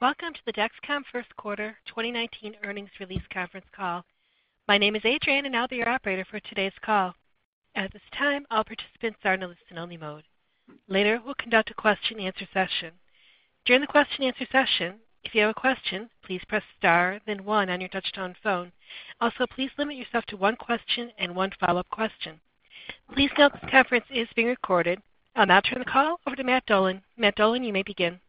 Welcome to the Dexcom first quarter 2019 earnings release conference call. My name is Adrianne, and I'll be your operator for today's call. At this time, all participants are in a listen only mode. Later, we'll conduct a question and answer session. During the question and answer session, if you have a question, please press star then one on your touch-tone phone. Also, please limit yourself to one question and one follow-up question. Please note this conference is being recorded. I'll now turn the call over to Matt Dolan. Matt Dolan, you may begin. Thank you,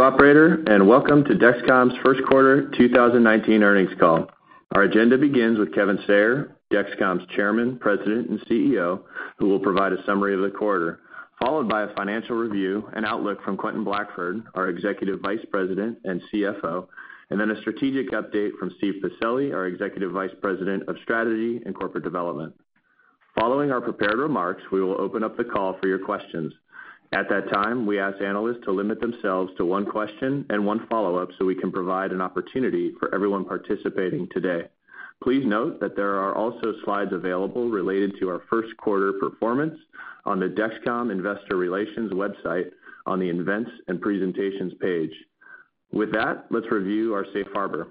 operator, welcome to Dexcom's first quarter 2019 earnings call. Our agenda begins with Kevin Sayer, Dexcom's Chairman, President, and CEO, who will provide a summary of the quarter, followed by a financial review and outlook from Quentin Blackford, our Executive Vice President and CFO, a strategic update from Steve Pacelli, our Executive Vice President of Strategy and Corporate Development. Following our prepared remarks, we will open up the call for your questions. At that time, we ask analysts to limit themselves to one question and one follow-up so we can provide an opportunity for everyone participating today. Please note that there are also slides available related to our first quarter performance on the Dexcom Investor Relations website on the Events and Presentations page. With that, let's review our safe harbor.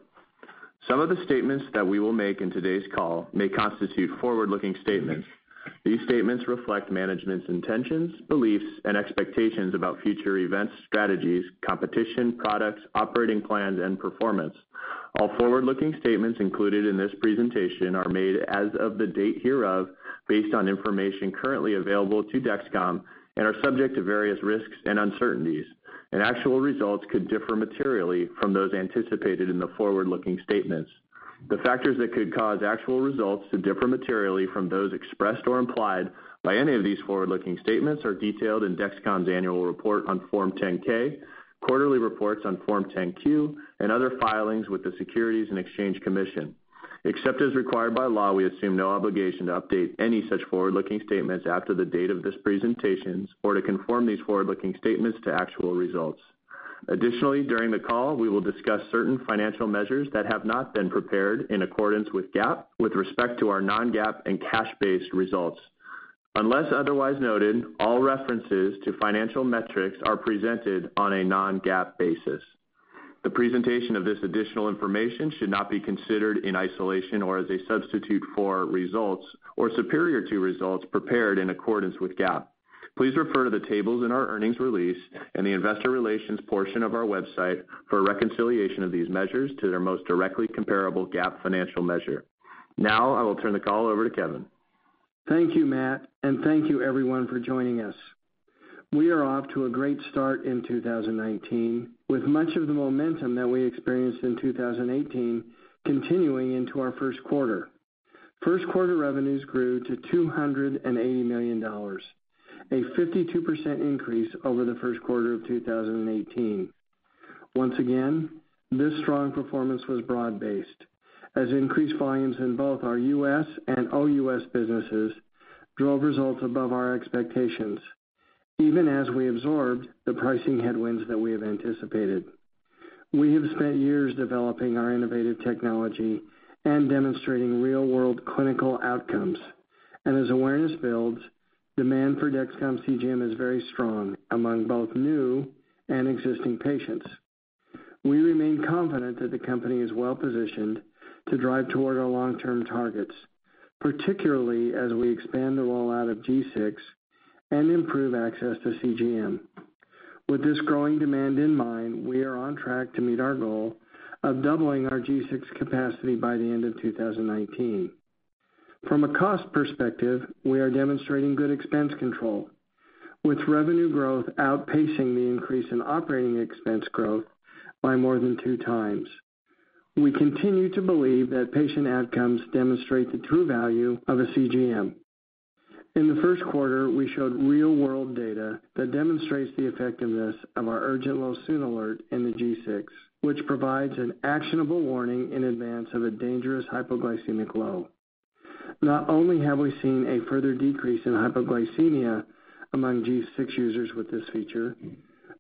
Some of the statements that we will make in today's call may constitute forward-looking statements. These statements reflect management's intentions, beliefs, and expectations about future events, strategies, competition, products, operating plans, and performance. All forward-looking statements included in this presentation are made as of the date hereof based on information currently available to Dexcom and are subject to various risks and uncertainties. Actual results could differ materially from those anticipated in the forward-looking statements. The factors that could cause actual results to differ materially from those expressed or implied by any of these forward-looking statements are detailed in Dexcom's annual report on Form 10-K, quarterly reports on Form 10-Q, and other filings with the Securities and Exchange Commission. Except as required by law, we assume no obligation to update any such forward-looking statements after the date of these presentations or to conform these forward-looking statements to actual results. Additionally, during the call, we will discuss certain financial measures that have not been prepared in accordance with GAAP with respect to our non-GAAP and cash-based results. Unless otherwise noted, all references to financial metrics are presented on a non-GAAP basis. The presentation of this additional information should not be considered in isolation or as a substitute for results or superior to results prepared in accordance with GAAP. Please refer to the tables in our earnings release in the investor relations portion of our website for a reconciliation of these measures to their most directly comparable GAAP financial measure. Now, I will turn the call over to Kevin. Thank you, Matt, and thank you everyone for joining us. We are off to a great start in 2019, with much of the momentum that we experienced in 2018 continuing into our first quarter. First quarter revenues grew to $280 million, a 52% increase over the first quarter of 2018. Once again, this strong performance was broad-based as increased volumes in both our U.S. and OUS businesses drove results above our expectations, even as we absorbed the pricing headwinds that we have anticipated. We have spent years developing our innovative technology and demonstrating real-world clinical outcomes. As awareness builds, demand for Dexcom CGM is very strong among both new and existing patients. We remain confident that the company is well-positioned to drive toward our long-term targets, particularly as we expand the rollout of G6 and improve access to CGM. With this growing demand in mind, we are on track to meet our goal of doubling our G6 capacity by the end of 2019. From a cost perspective, we are demonstrating good expense control, with revenue growth outpacing the increase in operating expense growth by more than two times. We continue to believe that patient outcomes demonstrate the true value of a CGM. In the first quarter, we showed real-world data that demonstrates the effectiveness of our Urgent Low Soon alert in the G6, which provides an actionable warning in advance of a dangerous hypoglycemic low. Not only have we seen a further decrease in hypoglycemia among G6 users with this feature,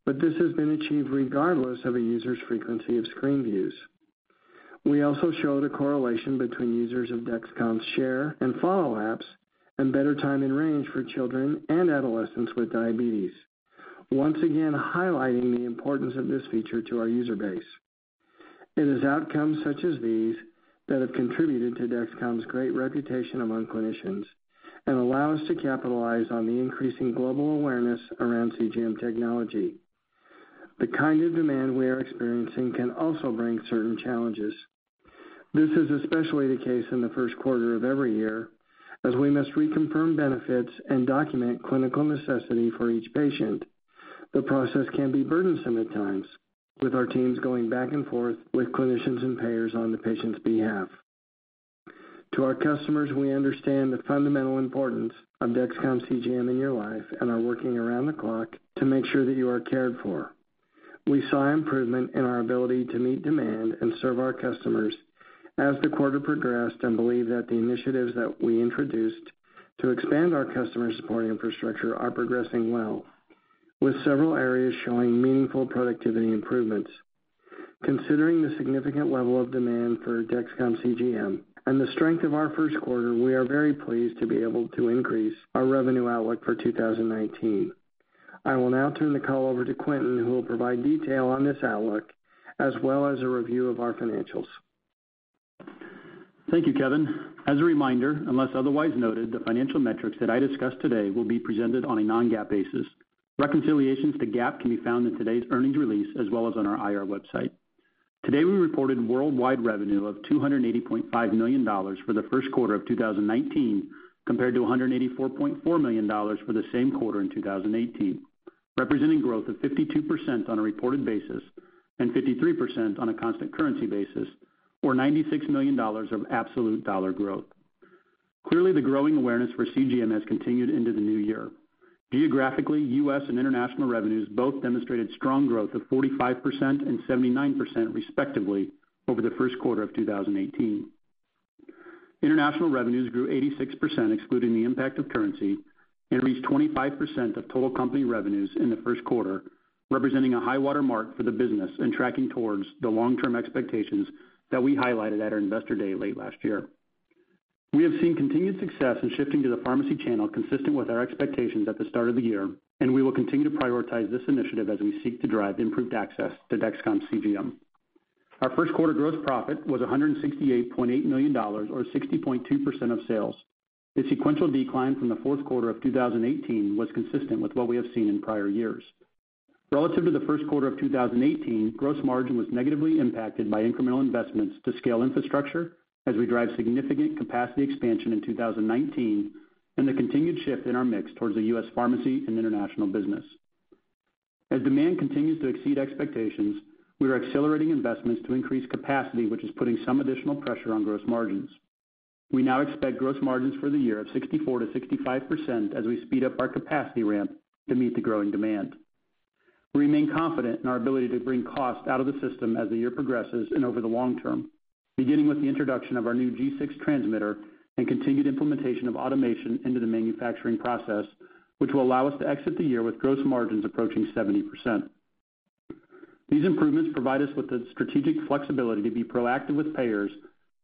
but this has been achieved regardless of a user's frequency of screen views. We also showed a correlation between users of Dexcom's Share and Follow apps and better time in range for children and adolescents with diabetes, once again highlighting the importance of this feature to our user base. It is outcomes such as these that have contributed to Dexcom's great reputation among clinicians and allow us to capitalize on the increasing global awareness around CGM technology. The kind of demand we are experiencing can also bring certain challenges. This is especially the case in the first quarter of every year, as we must reconfirm benefits and document clinical necessity for each patient. The process can be burdensome at times, with our teams going back and forth with clinicians and payers on the patient's behalf. To our customers, we understand the fundamental importance of Dexcom CGM in your life and are working around the clock to make sure that you are cared for. We saw improvement in our ability to meet demand and serve our customers as the quarter progressed and believe that the initiatives that we introduced to expand our customer support infrastructure are progressing well, with several areas showing meaningful productivity improvements. Considering the significant level of demand for Dexcom CGM and the strength of our first quarter, we are very pleased to be able to increase our revenue outlook for 2019. I will now turn the call over to Quentin, who will provide detail on this outlook as well as a review of our financials. Thank you, Kevin. As a reminder, unless otherwise noted, the financial metrics that I discuss today will be presented on a non-GAAP basis. Reconciliations to GAAP can be found in today's earnings release as well as on our IR website. Today, we reported worldwide revenue of $280.5 million for the first quarter of 2019, compared to $184.4 million for the same quarter in 2018, representing growth of 52% on a reported basis and 53% on a constant currency basis, or $96 million of absolute dollar growth. Clearly, the growing awareness for CGM has continued into the new year. Geographically, U.S. and international revenues both demonstrated strong growth of 45% and 79%, respectively, over the first quarter of 2018. International revenues grew 86%, excluding the impact of currency, and reached 25% of total company revenues in the first quarter, representing a high-water mark for the business and tracking towards the long-term expectations that we highlighted at our Investor Day late last year. We have seen continued success in shifting to the pharmacy channel consistent with our expectations at the start of the year. We will continue to prioritize this initiative as we seek to drive improved access to Dexcom CGM. Our first quarter gross profit was $168.8 million or 60.2% of sales. The sequential decline from the fourth quarter of 2018 was consistent with what we have seen in prior years. Relative to the first quarter of 2018, gross margin was negatively impacted by incremental investments to scale infrastructure as we drive significant capacity expansion in 2019 and the continued shift in our mix towards the U.S. pharmacy and international business. As demand continues to exceed expectations, we are accelerating investments to increase capacity, which is putting some additional pressure on gross margins. We now expect gross margins for the year of 64%-65% as we speed up our capacity ramp to meet the growing demand. We remain confident in our ability to bring costs out of the system as the year progresses and over the long term, beginning with the introduction of our new G6 transmitter and continued implementation of automation into the manufacturing process, which will allow us to exit the year with gross margins approaching 70%. These improvements provide us with the strategic flexibility to be proactive with payers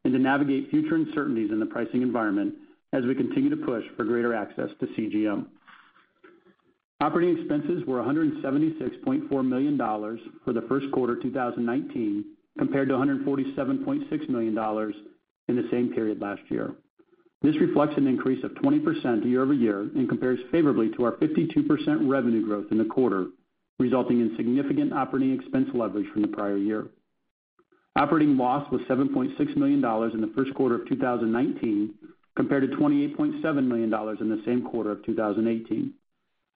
and to navigate future uncertainties in the pricing environment as we continue to push for greater access to CGM. Operating expenses were $176.4 million for the first quarter 2019, compared to $147.6 million in the same period last year. This reflects an increase of 20% year-over-year and compares favorably to our 52% revenue growth in the quarter, resulting in significant operating expense leverage from the prior year. Operating loss was $7.6 million in the first quarter of 2019, compared to $28.7 million in the same quarter of 2018.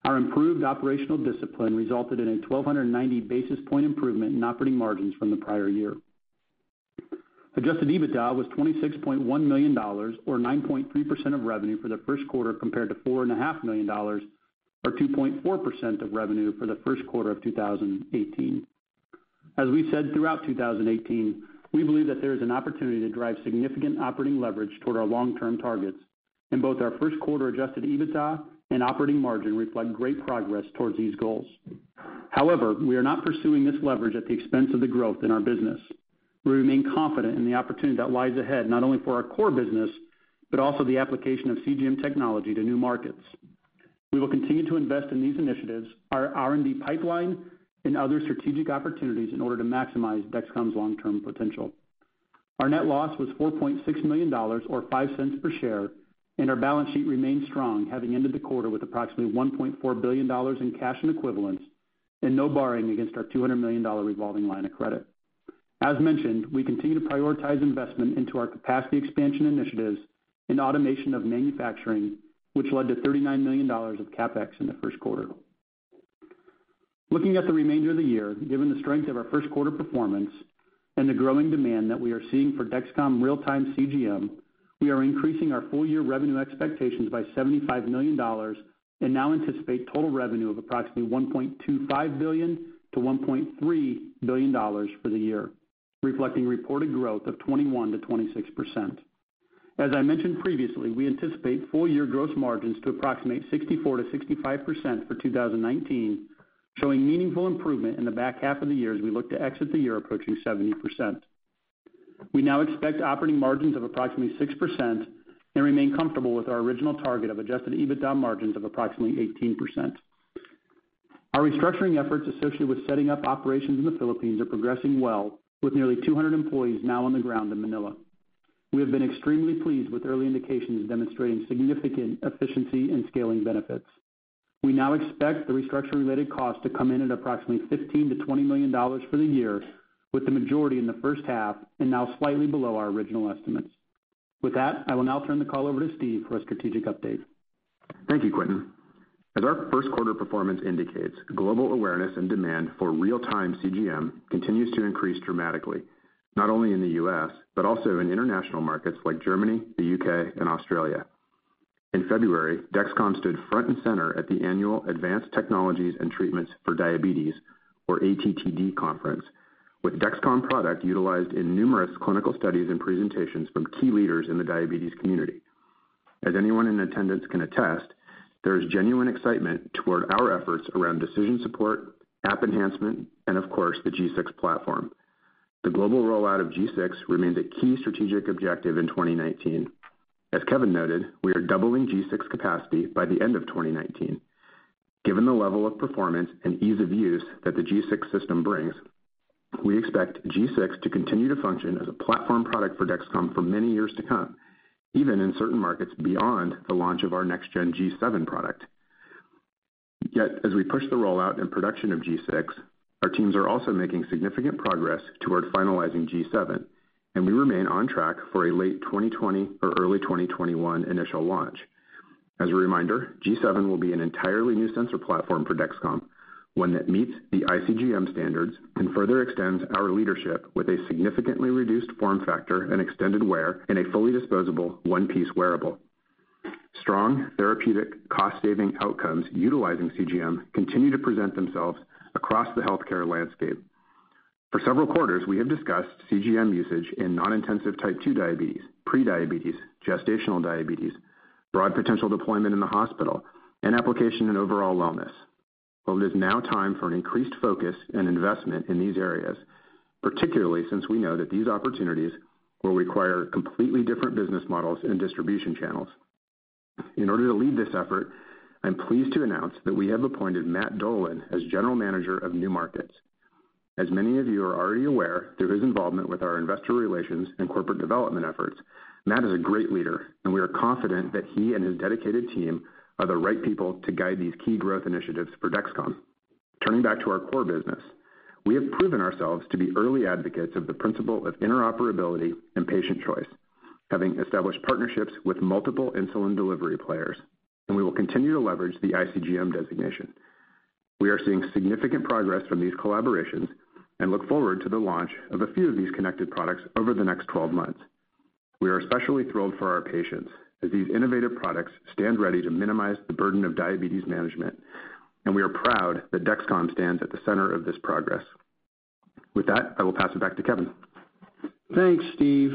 Our improved operational discipline resulted in a 1,290 basis point improvement in operating margins from the prior year. Adjusted EBITDA was $26.1 million or 9.3% of revenue for the first quarter, compared to $4.5 million or 2.4% of revenue for the first quarter of 2018. As we said throughout 2018, we believe that there is an opportunity to drive significant operating leverage toward our long-term targets, and both our first quarter adjusted EBITDA and operating margin reflect great progress towards these goals. However, we are not pursuing this leverage at the expense of the growth in our business. We remain confident in the opportunity that lies ahead, not only for our core business, but also the application of CGM technology to new markets. We will continue to invest in these initiatives, our R&D pipeline, and other strategic opportunities in order to maximize Dexcom's long-term potential. Our net loss was $4.6 million or $0.05 per share, and our balance sheet remains strong, having ended the quarter with approximately $1.4 billion in cash and equivalents and no borrowing against our $200 million revolving line of credit. As mentioned, we continue to prioritize investment into our capacity expansion initiatives and automation of manufacturing, which led to $39 million of CapEx in the first quarter. Looking at the remainder of the year, given the strength of our first quarter performance and the growing demand that we are seeing for Dexcom real-time CGM, we are increasing our full-year revenue expectations by $75 million and now anticipate total revenue of approximately $1.25 billion-$1.3 billion for the year, reflecting reported growth of 21%-26%. As I mentioned previously, we anticipate full-year gross margins to approximate 64%-65% for 2019, showing meaningful improvement in the back half of the year as we look to exit the year approaching 70%. We now expect operating margins of approximately 6% and remain comfortable with our original target of adjusted EBITDA margins of approximately 18%. Our restructuring efforts associated with setting up operations in the Philippines are progressing well, with nearly 200 employees now on the ground in Manila. We have been extremely pleased with early indications demonstrating significant efficiency and scaling benefits. We now expect the restructure-related cost to come in at approximately $15 million-$20 million for the year, with the majority in the first half and now slightly below our original estimates. With that, I will now turn the call over to Steve for a strategic update. Thank you, Quentin. As our first quarter performance indicates, global awareness and demand for real-time CGM continues to increase dramatically, not only in the U.S., but also in international markets like Germany, the U.K., and Australia. In February, Dexcom stood front and center at the annual Advanced Technologies & Treatments for Diabetes, or ATTD conference, with Dexcom product utilized in numerous clinical studies and presentations from key leaders in the diabetes community. As anyone in attendance can attest, there is genuine excitement toward our efforts around decision support, app enhancement, and of course, the G6 platform. The global rollout of G6 remains a key strategic objective in 2019. As Kevin noted, we are doubling G6 capacity by the end of 2019. Given the level of performance and ease of use that the G6 system brings, we expect G6 to continue to function as a platform product for Dexcom for many years to come, even in certain markets beyond the launch of our next-gen G7 product. As we push the rollout and production of G6, our teams are also making significant progress toward finalizing G7, and we remain on track for a late 2020 or early 2021 initial launch. As a reminder, G7 will be an entirely new sensor platform for Dexcom, one that meets the iCGM standards and further extends our leadership with a significantly reduced form factor and extended wear in a fully disposable one-piece wearable. Strong therapeutic cost-saving outcomes utilizing CGM continue to present themselves across the healthcare landscape. For several quarters, we have discussed CGM usage in non-intensive type 2 diabetes, pre-diabetes, gestational diabetes, broad potential deployment in the hospital, and application in overall wellness. It is now time for an increased focus and investment in these areas, particularly since we know that these opportunities will require completely different business models and distribution channels. In order to lead this effort, I am pleased to announce that we have appointed Matt Dolan as general manager of new markets. As many of you are already aware through his involvement with our investor relations and corporate development efforts, Matt is a great leader, and we are confident that he and his dedicated team are the right people to guide these key growth initiatives for Dexcom. Turning back to our core business, we have proven ourselves to be early advocates of the principle of interoperability and patient choice, having established partnerships with multiple insulin delivery players, and we will continue to leverage the iCGM designation. We are seeing significant progress from these collaborations and look forward to the launch of a few of these connected products over the next 12 months. We are especially thrilled for our patients as these innovative products stand ready to minimize the burden of diabetes management, and we are proud that Dexcom stands at the center of this progress. With that, I will pass it back to Kevin. Thanks, Steve.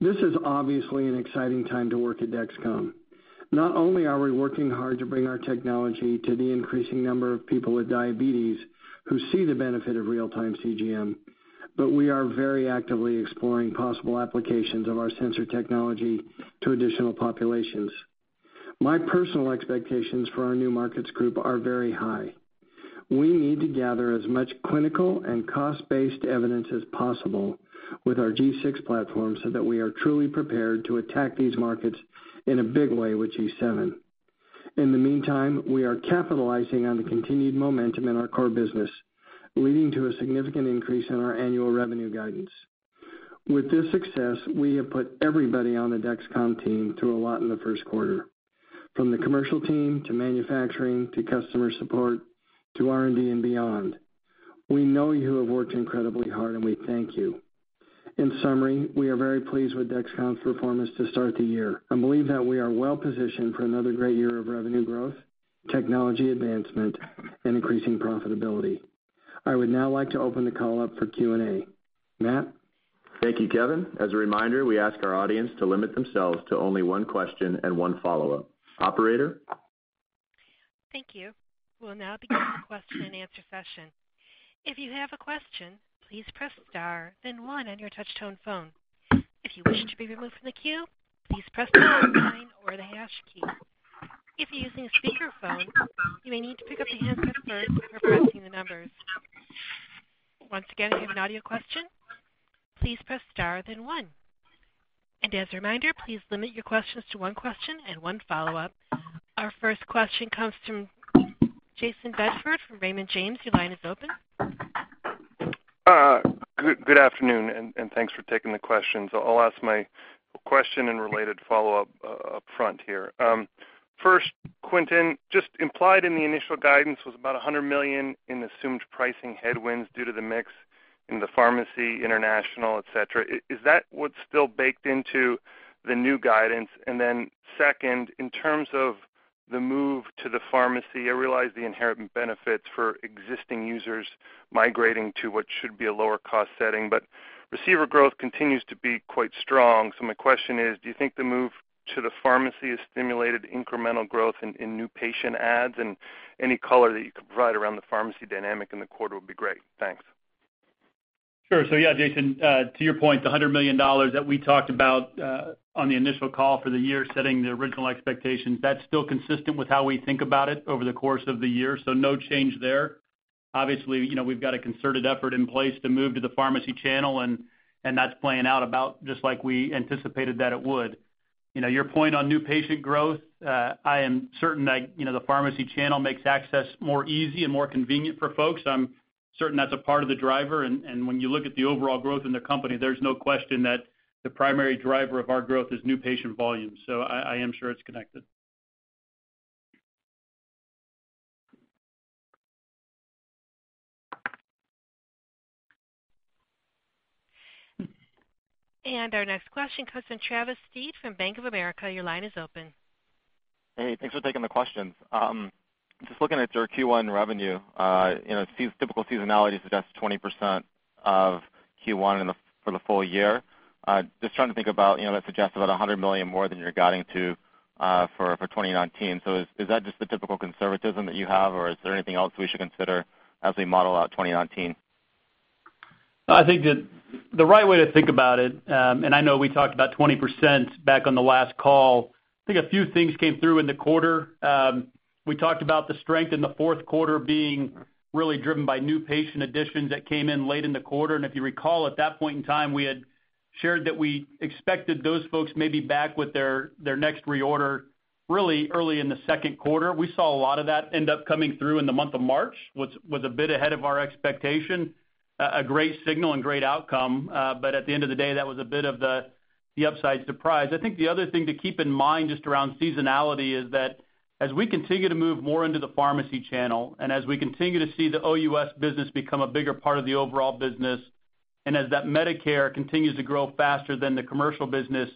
This is obviously an exciting time to work at Dexcom. Not only are we working hard to bring our technology to the increasing number of people with diabetes who see the benefit of real-time CGM, but we are very actively exploring possible applications of our sensor technology to additional populations. My personal expectations for our new markets group are very high. We need to gather as much clinical and cost-based evidence as possible with our G6 platform so that we are truly prepared to attack these markets in a big way with G7. In the meantime, we are capitalizing on the continued momentum in our core business, leading to a significant increase in our annual revenue guidance. With this success, we have put everybody on the Dexcom team through a lot in the first quarter, from the commercial team, to manufacturing, to customer support, to R&D, and beyond. We know you have worked incredibly hard, and we thank you. In summary, we are very pleased with Dexcom's performance to start the year and believe that we are well-positioned for another great year of revenue growth, technology advancement, and increasing profitability. I would now like to open the call up for Q&A. Matt? Thank you, Kevin. As a reminder, we ask our audience to limit themselves to only one question and one follow-up. Operator? Thank you. We'll now begin the question and answer session. If you have a question, please press star then one on your touch-tone phone. If you wish to be removed from the queue, please press star nine or the hash key. If you're using a speakerphone, you may need to pick up the handset first before pressing the numbers. Once again, if you have an audio question, please press star then one. As a reminder, please limit your questions to one question and one follow-up. Our first question comes from Jayson Bedford from Raymond James. Your line is open. Good afternoon, and thanks for taking the questions. I'll ask my question and related follow-up upfront here. First, Quentin, just implied in the initial guidance was about $100 million in assumed pricing headwinds due to the mix in the pharmacy, international, et cetera. Is that what's still baked into the new guidance? Second, in terms of the move to the pharmacy, I realize the inherent benefits for existing users migrating to what should be a lower cost setting, but receiver growth continues to be quite strong. My question is, do you think the move to the pharmacy has stimulated incremental growth in new patient adds? Any color that you could provide around the pharmacy dynamic in the quarter would be great. Thanks. Sure. Yeah, Jayson, to your point, the $100 million that we talked about on the initial call for the year, setting the original expectations, that's still consistent with how we think about it over the course of the year, so no change there. Obviously, we've got a concerted effort in place to move to the pharmacy channel, and that's playing out about just like we anticipated that it would. Your point on new patient growth, I am certain that the pharmacy channel makes access more easy and more convenient for folks. I'm certain that's a part of the driver, and when you look at the overall growth in the company, there's no question that the primary driver of our growth is new patient volume. I am sure it's connected. Our next question comes from Travis Steed from Bank of America. Your line is open. Hey, thanks for taking the questions. Just looking at your Q1 revenue, typical seasonality suggests 20% of Q1 for the full year. Just trying to think about, that suggests about $100 million more than you're guiding to for 2019. Is that just the typical conservatism that you have, or is there anything else we should consider as we model out 2019? I think the right way to think about it. I know we talked about 20% back on the last call. I think a few things came through in the quarter. We talked about the strength in the fourth quarter being really driven by new patient additions that came in late in the quarter. If you recall, at that point in time, we had shared that we expected those folks may be back with their next reorder really early in the second quarter. We saw a lot of that end up coming through in the month of March, was a bit ahead of our expectation. A great signal and great outcome. At the end of the day, that was a bit of the upside surprise. I think the other thing to keep in mind just around seasonality is that as we continue to move more into the pharmacy channel, as we continue to see the OUS business become a bigger part of the overall business, as that Medicare continues to grow faster than the commercial business,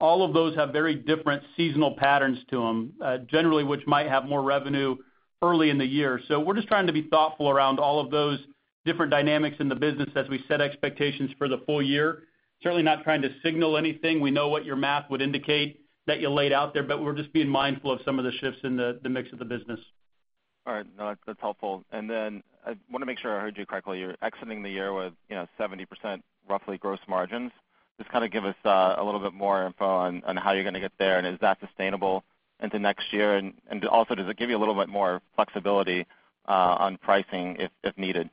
all of those have very different seasonal patterns to them. Generally, which might have more revenue early in the year. We're just trying to be thoughtful around all of those different dynamics in the business as we set expectations for the full year. Certainly not trying to signal anything. We know what your math would indicate that you laid out there. We're just being mindful of some of the shifts in the mix of the business. All right. No, that's helpful. I want to make sure I heard you correctly. You're exiting the year with 70%, roughly, gross margins. Just kind of give us a little bit more info on how you're going to get there. Is that sustainable into next year? Does it give you a little bit more flexibility on pricing if needed?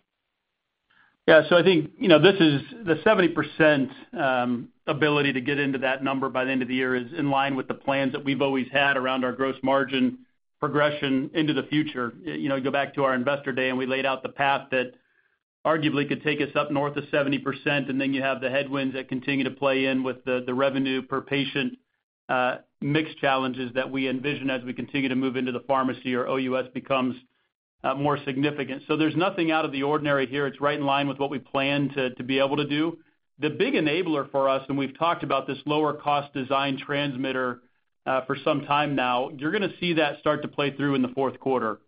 Yeah, I think, the 70% ability to get into that number by the end of the year is in line with the plans that we've always had around our gross margin progression into the future. You go back to our Investor Day. We laid out the path that arguably could take us up north of 70%. You have the headwinds that continue to play in with the revenue per patient mix challenges that we envision as we continue to move into the pharmacy or OUS becomes more significant. There's nothing out of the ordinary here. It's right in line with what we plan to be able to do. The big enabler for us, we've talked about this lower cost design transmitter for some time now. You're going to see that start to play through in the fourth quarter.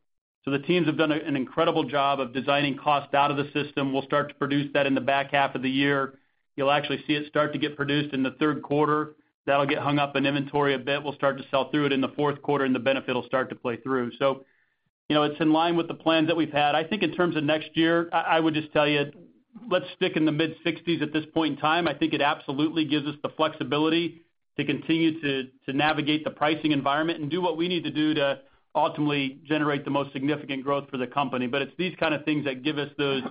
The teams have done an incredible job of designing cost out of the system. We'll start to produce that in the back half of the year. You'll actually see it start to get produced in the third quarter. That'll get hung up in inventory a bit. We'll start to sell through it in the fourth quarter, and the benefit will start to play through. It's in line with the plans that we've had. I think in terms of next year, I would just tell you, let's stick in the mid-60s at this point in time. I think it absolutely gives us the flexibility to continue to navigate the pricing environment and do what we need to do to ultimately generate the most significant growth for the company. It's these kind of things that give us those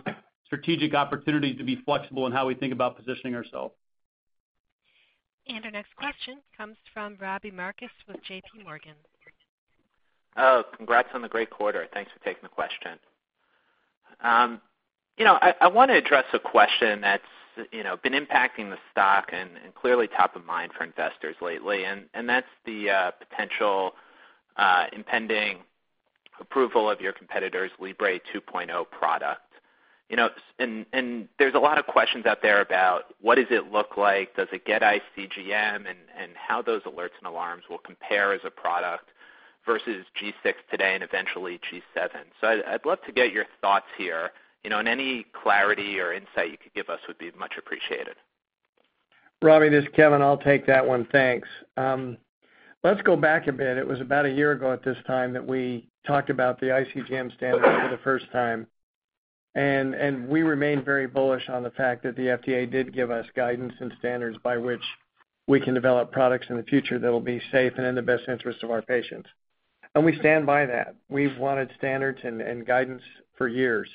strategic opportunities to be flexible in how we think about positioning ourselves. Our next question comes from Robbie Marcus with J.P. Morgan. Congrats on the great quarter. Thanks for taking the question. I want to address a question that's been impacting the stock and clearly top of mind for investors lately. That's the potential impending approval of your competitor's FreeStyle Libre 2 product. There's a lot of questions out there about what does it look like? Does it get iCGM? How those alerts and alarms will compare as a product versus G6 today and eventually G7. I'd love to get your thoughts here. Any clarity or insight you could give us would be much appreciated. Robbie, this is Kevin. I'll take that one, thanks. Let's go back a bit. It was about a year ago at this time that we talked about the iCGM standard for the first time. We remain very bullish on the fact that the FDA did give us guidance and standards by which we can develop products in the future that'll be safe and in the best interest of our patients. We stand by that. We've wanted standards and guidance for years.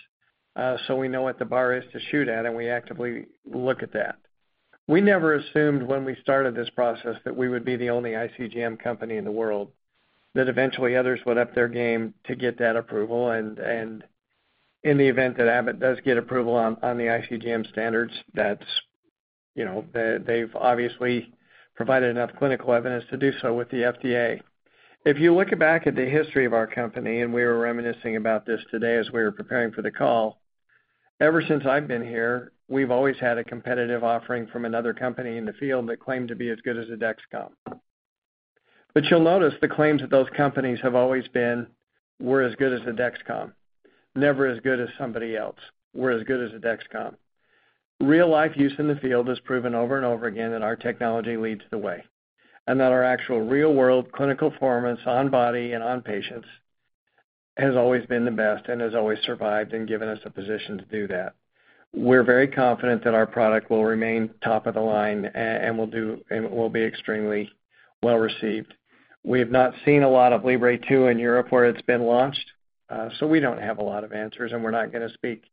We know what the bar is to shoot at, and we actively look at that. We never assumed when we started this process that we would be the only iCGM company in the world, that eventually others would up their game to get that approval. In the event that Abbott does get approval on the iCGM standards, they've obviously provided enough clinical evidence to do so with the FDA. If you look back at the history of our company, and we were reminiscing about this today as we were preparing for the call. Ever since I've been here, we've always had a competitive offering from another company in the field that claimed to be as good as a Dexcom. You'll notice the claims that those companies have always been, we're as good as a Dexcom, never as good as somebody else. We're as good as a Dexcom. Real-life use in the field has proven over and over again that our technology leads the way, and that our actual real-world clinical performance on body and on patients has always been the best and has always survived and given us a position to do that. We're very confident that our product will remain top of the line and will be extremely well-received. We have not seen a lot of Libre 2 in Europe where it's been launched. We don't have a lot of answers, and we're not going to speak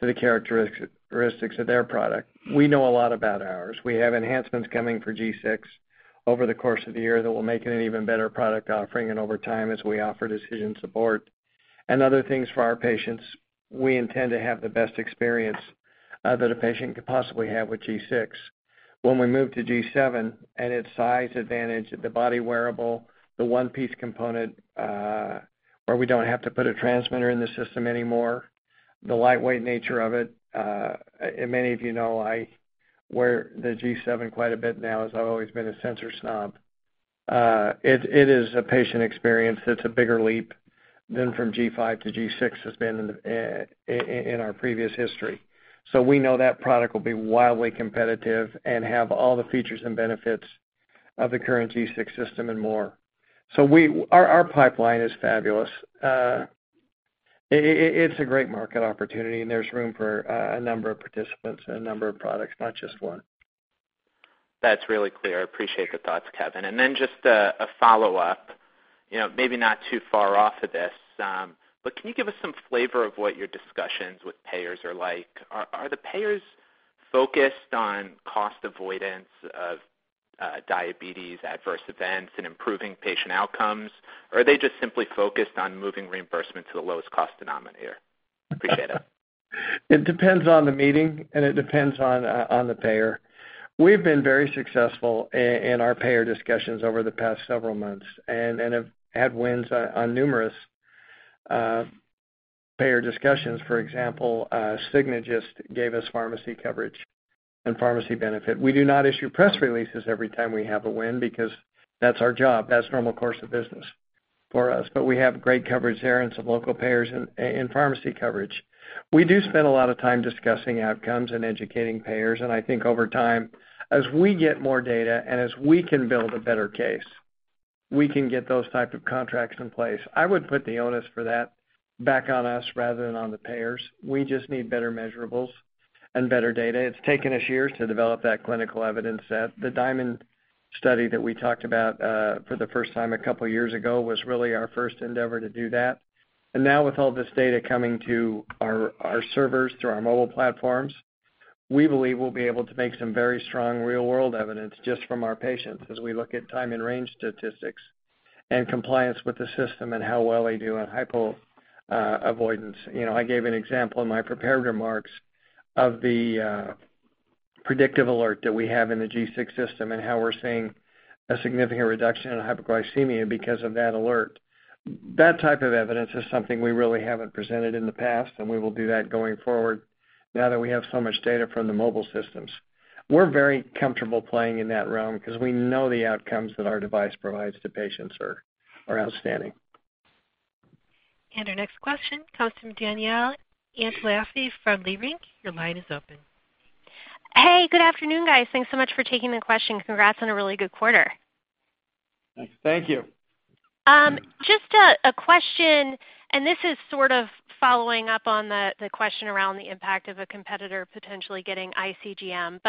to the characteristics of their product. We know a lot about ours. We have enhancements coming for G6 over the course of the year that will make it an even better product offering and over time, as we offer decision support and other things for our patients. We intend to have the best experience that a patient could possibly have with G6. When we move to G7 and its size advantage, the body wearable, the one-piece component Where we don't have to put a transmitter in the system anymore. The lightweight nature of it, and many of you know I wear the G7 quite a bit now as I've always been a sensor snob. It is a patient experience that's a bigger leap than from G5 to G6 has been in our previous history. We know that product will be wildly competitive and have all the features and benefits of the current G6 system and more. Our pipeline is fabulous. It's a great market opportunity, and there's room for a number of participants and a number of products, not just one. That's really clear. Appreciate the thoughts, Kevin. Just a follow-up, maybe not too far off of this. Can you give us some flavor of what your discussions with payers are like? Are the payers focused on cost avoidance of diabetes adverse events and improving patient outcomes? Are they just simply focused on moving reimbursement to the lowest cost denominator? Appreciate it. It depends on the meeting, and it depends on the payer. We've been very successful in our payer discussions over the past several months and have had wins on numerous payer discussions. For example, Cigna just gave us pharmacy coverage and pharmacy benefit. We do not issue press releases every time we have a win because that's our job. That's normal course of business for us. We have great coverage there and some local payers and pharmacy coverage. We do spend a lot of time discussing outcomes and educating payers, and I think over time, as we get more data and as we can build a better case, we can get those type of contracts in place. I would put the onus for that back on us rather than on the payers. We just need better measurables and better data. It's taken us years to develop that clinical evidence set. The DIaMonD study that we talked about for the first time a couple of years ago was really our first endeavor to do that. Now with all this data coming to our servers through our mobile platforms, we believe we'll be able to make some very strong real-world evidence just from our patients as we look at time and range statistics and compliance with the system and how well they do on hypo avoidance. I gave an example in my prepared remarks of the predictive alert that we have in the G6 system and how we're seeing a significant reduction in hypoglycemia because of that alert. That type of evidence is something we really haven't presented in the past, and we will do that going forward now that we have so much data from the mobile systems. We're very comfortable playing in that realm because we know the outcomes that our device provides to patients are outstanding. Our next question comes from Danielle Antalffy from Leerink. Your line is open. Hey, good afternoon, guys. Thanks so much for taking the question. Congrats on a really good quarter. Thank you. Just a question, this is sort of following up on the question around the impact of a competitor potentially getting iCGM.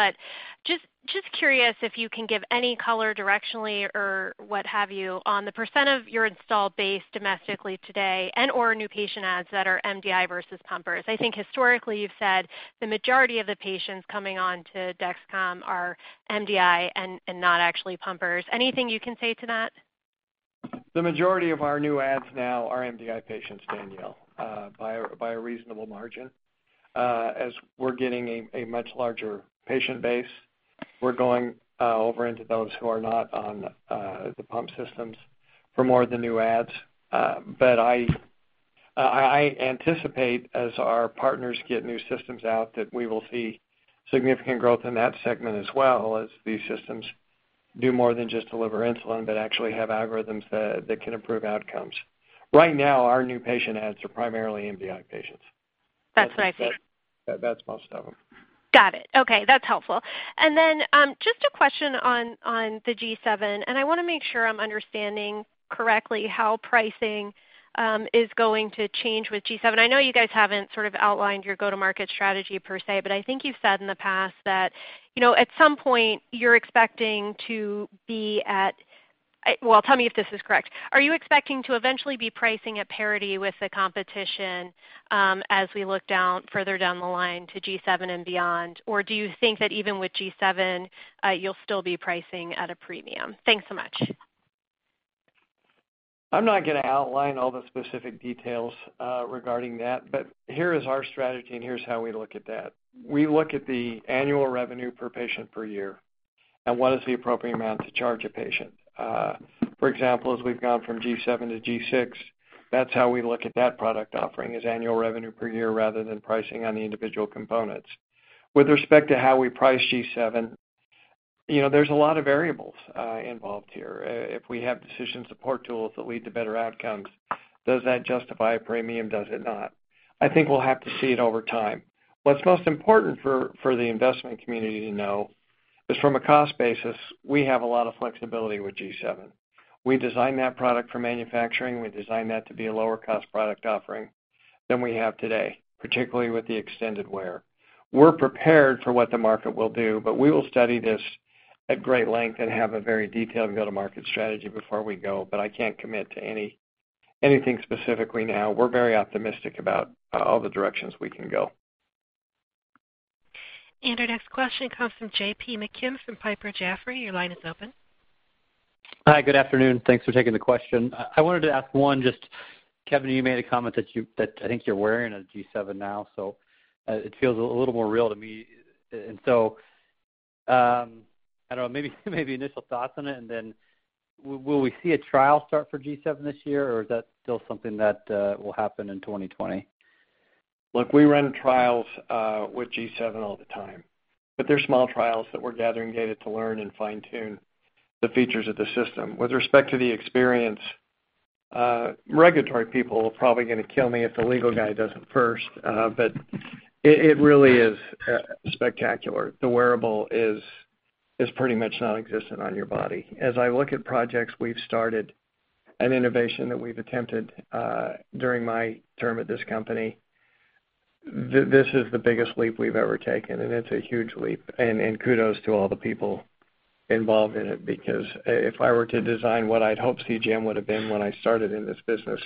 Just curious if you can give any color directionally or what have you on the % of your installed base domestically today and/or new patient adds that are MDI versus pumpers. I think historically you've said the majority of the patients coming on to Dexcom are MDI and not actually pumpers. Anything you can say to that? The majority of our new adds now are MDI patients, Danielle, by a reasonable margin. As we're getting a much larger patient base, we're going over into those who are not on the pump systems for more of the new adds. I anticipate as our partners get new systems out, that we will see significant growth in that segment as well as these systems do more than just deliver insulin, but actually have algorithms that can improve outcomes. Right now, our new patient adds are primarily MDI patients. That's what I figured. That's most of them. Got it. Okay. That's helpful. Then just a question on the G7, I want to make sure I'm understanding correctly how pricing is going to change with G7. I know you guys haven't sort of outlined your go-to-market strategy per se, I think you've said in the past that at some point you're expecting to be at Well, tell me if this is correct. Are you expecting to eventually be pricing at parity with the competition as we look further down the line to G7 and beyond? Or do you think that even with G7, you'll still be pricing at a premium? Thanks so much. I'm not going to outline all the specific details regarding that, but here is our strategy and here's how we look at that. We look at the annual revenue per patient per year, and what is the appropriate amount to charge a patient. For example, as we've gone from G7 to G6, that's how we look at that product offering, is annual revenue per year rather than pricing on the individual components. With respect to how we price G7, there's a lot of variables involved here. If we have decision support tools that lead to better outcomes, does that justify a premium? Does it not? I think we'll have to see it over time. What's most important for the investment community to know is from a cost basis, we have a lot of flexibility with G7. We designed that product for manufacturing. We designed that to be a lower cost product offering than we have today, particularly with the extended wear. We're prepared for what the market will do, but we will study this at great length and have a very detailed go-to-market strategy before we go, but I can't commit to anything specifically now. We're very optimistic about all the directions we can go. Our next question comes from J.P. McKim from Piper Jaffray. Your line is open. Hi, good afternoon. Thanks for taking the question. I wanted to ask one, just Kevin, you made a comment that I think you're wearing a G7 now, so it feels a little more real to me. I don't know, maybe initial thoughts on it, then will we see a trial start for G7 this year, or is that still something that will happen in 2020? Look, we run trials with G7 all the time, but they're small trials that we're gathering data to learn and fine-tune the features of the system. With respect to the experience, regulatory people are probably going to kill me if the legal guy doesn't first. It really is spectacular. The wearable is pretty much non-existent on your body. As I look at projects we've started and innovation that we've attempted during my term at this company, this is the biggest leap we've ever taken, and it's a huge leap. Kudos to all the people involved in it, because if I were to design what I'd hoped CGM would've been when I started in this business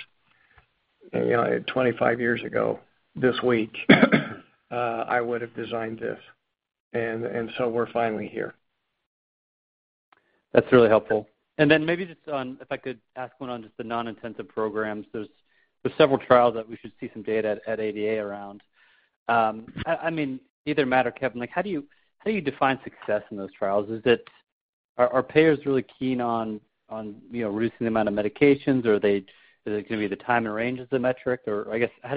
25 years ago this week, I would have designed this. We're finally here. That's really helpful. Maybe just on, if I could ask one on just the non-intensive programs. There's several trials that we should see some data at ADA around. Either Matt, Kevin, how do you define success in those trials? Are payers really keen on reducing the amount of medications, or is it going to be the time and range as the metric? I guess, how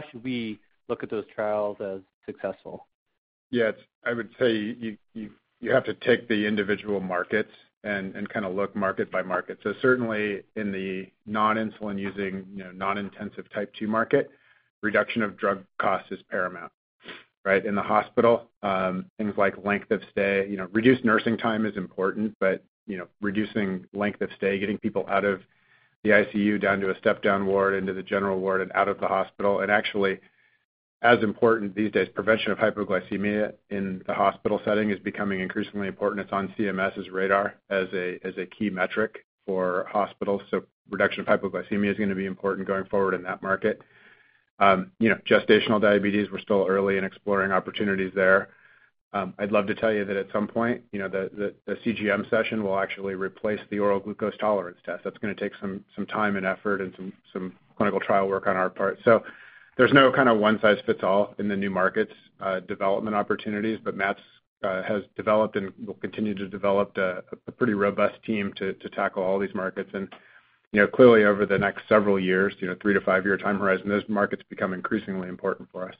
should we look at those trials as successful? Yes, I would say you have to take the individual markets and kind of look market by market. Certainly, in the non-insulin using, non-intensive Type 2 market, reduction of drug cost is paramount. Right? In the hospital, things like length of stay. Reduced nursing time is important, but reducing length of stay, getting people out of the ICU, down to a step-down ward, into the general ward, and out of the hospital. Actually, as important these days, prevention of hypoglycemia in the hospital setting is becoming increasingly important. It's on CMS's radar as a key metric for hospitals. Reduction of hypoglycemia is going to be important going forward in that market. Gestational diabetes, we're still early in exploring opportunities there. I'd love to tell you that at some point, the CGM session will actually replace the oral glucose tolerance test. That's going to take some time and effort and some clinical trial work on our part. There's no kind of one size fits all in the new markets development opportunities. Matt has developed and will continue to develop a pretty robust team to tackle all these markets. Clearly, over the next several years, three to five-year time horizon, those markets become increasingly important for us.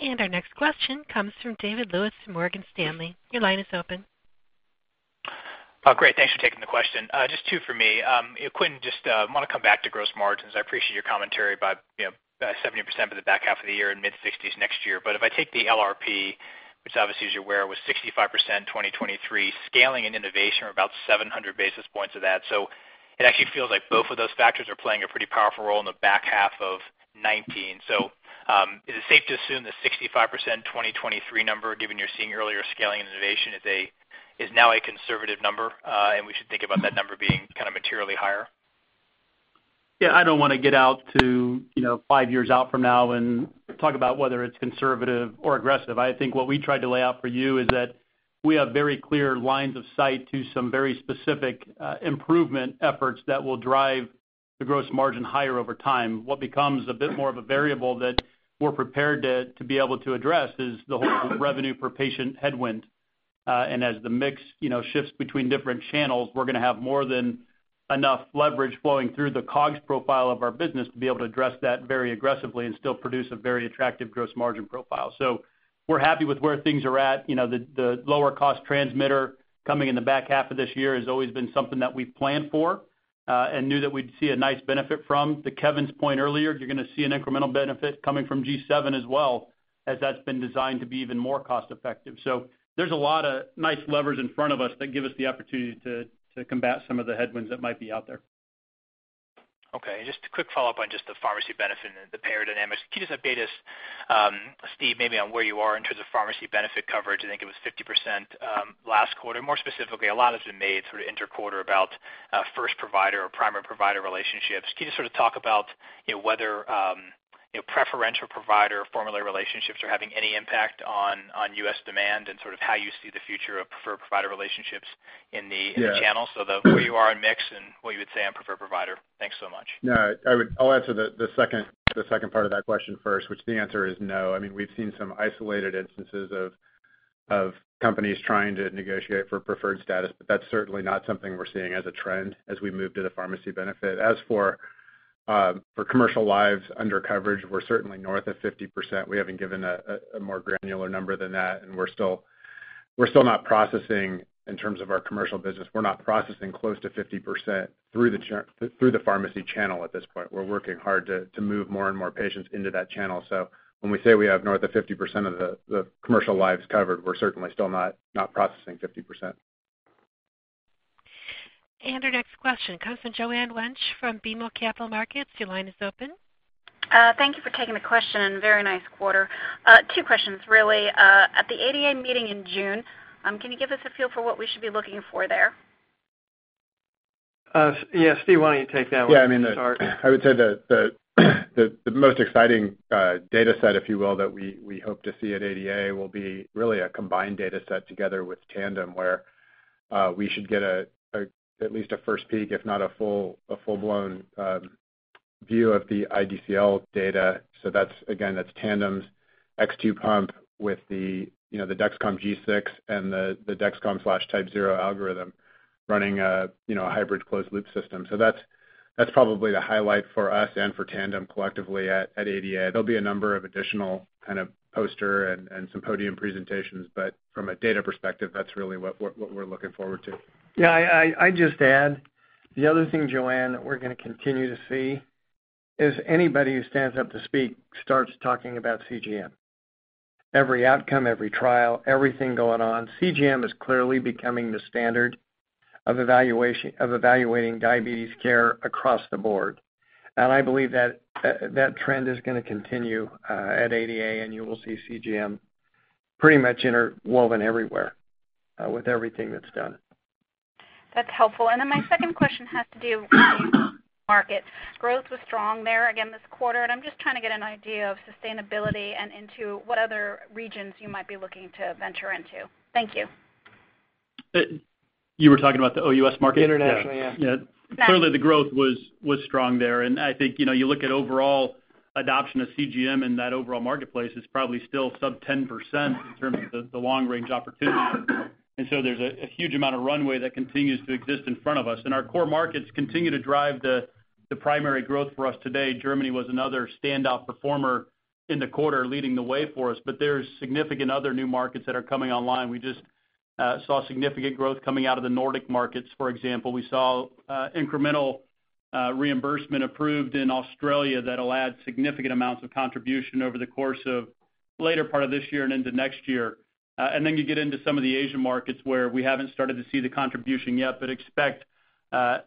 Our next question comes from David Lewis from Morgan Stanley. Your line is open. Oh, great. Thanks for taking the question. Just two for me. Quinn, just want to come back to gross margins. I appreciate your commentary about 70% for the back half of the year and mid-60s next year. If I take the LRP, which obviously, as you're aware, was 65% 2023, scaling and innovation were about 700 basis points of that. It actually feels like both of those factors are playing a pretty powerful role in the back half of 2019. Is it safe to assume the 65% 2023 number, given you're seeing earlier scaling and innovation, is now a conservative number, and we should think about that number being kind of materially higher? Yeah, I don't want to get out to five years out from now and talk about whether it's conservative or aggressive. I think what we tried to lay out for you is that we have very clear lines of sight to some very specific improvement efforts that will drive the gross margin higher over time. What becomes a bit more of a variable that we're prepared to be able to address is the whole revenue per patient headwind. As the mix shifts between different channels, we're going to have more than enough leverage flowing through the COGS profile of our business to be able to address that very aggressively and still produce a very attractive gross margin profile. We're happy with where things are at. The lower cost transmitter coming in the back half of this year has always been something that we've planned for, and knew that we'd see a nice benefit from. To Kevin's point earlier, you're going to see an incremental benefit coming from G7 as well, as that's been designed to be even more cost effective. There's a lot of nice levers in front of us that give us the opportunity to combat some of the headwinds that might be out there. Okay. Just a quick follow-up on just the pharmacy benefit and the payer dynamics. Can you just update us, Steve, maybe on where you are in terms of pharmacy benefit coverage? I think it was 50% last quarter. More specifically, a lot has been made sort of inter-quarter about first provider or primary provider relationships. Can you sort of talk about whether preferential provider or formulary relationships are having any impact on U.S. demand, and sort of how you see the future of preferred provider relationships in the channel? Yeah. Where you are in mix and where you would say on preferred provider. Thanks so much. No, I'll answer the second part of that question first, which the answer is no. We've seen some isolated instances of companies trying to negotiate for preferred status, but that's certainly not something we're seeing as a trend as we move to the pharmacy benefit. As for commercial lives under coverage, we're certainly north of 50%. We haven't given a more granular number than that, and we're still not processing, in terms of our commercial business, we're not processing close to 50% through the pharmacy channel at this point. We're working hard to move more and more patients into that channel. When we say we have north of 50% of the commercial lives covered, we're certainly still not processing 50%. Our next question comes from Joanne Wuensch from BMO Capital Markets. Your line is open. Thank you for taking the question. Very nice quarter. Two questions, really. At the ADA meeting in June, can you give us a feel for what we should be looking for there? Yes. Steve, why don't you take that one to start? I would say the most exciting data set, if you will, that we hope to see at ADA will be really a combined data set together with Tandem, where we should get at least a first peek, if not a full-blown View of the iDCL data. That's, again, that's Tandem's X2 pump with the Dexcom G6 and the Dexcom/TypeZero algorithm running a hybrid closed-loop system. That's probably the highlight for us and for Tandem collectively at ADA. From a data perspective, that's really what we're looking forward to. I just add, the other thing, Joanne, that we're going to continue to see is anybody who stands up to speak starts talking about CGM. Every outcome, every trial, everything going on, CGM is clearly becoming the standard of evaluating diabetes care across the board. I believe that trend is going to continue at ADA, and you will see CGM pretty much interwoven everywhere with everything that's done. That's helpful. My second question has to do with market. Growth was strong there again this quarter, and I'm just trying to get an idea of sustainability and into what other regions you might be looking to venture into. Thank you. You were talking about the OUS market? Internationally, yeah. Thanks. Yeah. Clearly, the growth was strong there. I think, you look at overall adoption of CGM in that overall marketplace is probably still sub 10% in terms of the long-range opportunity. There's a huge amount of runway that continues to exist in front of us. Our core markets continue to drive the primary growth for us today. Germany was another standout performer in the quarter leading the way for us, but there's significant other new markets that are coming online. We just saw significant growth coming out of the Nordic markets, for example. We saw incremental reimbursement approved in Australia that'll add significant amounts of contribution over the course of later part of this year and into next year. Then you get into some of the Asian markets where we haven't started to see the contribution yet, but expect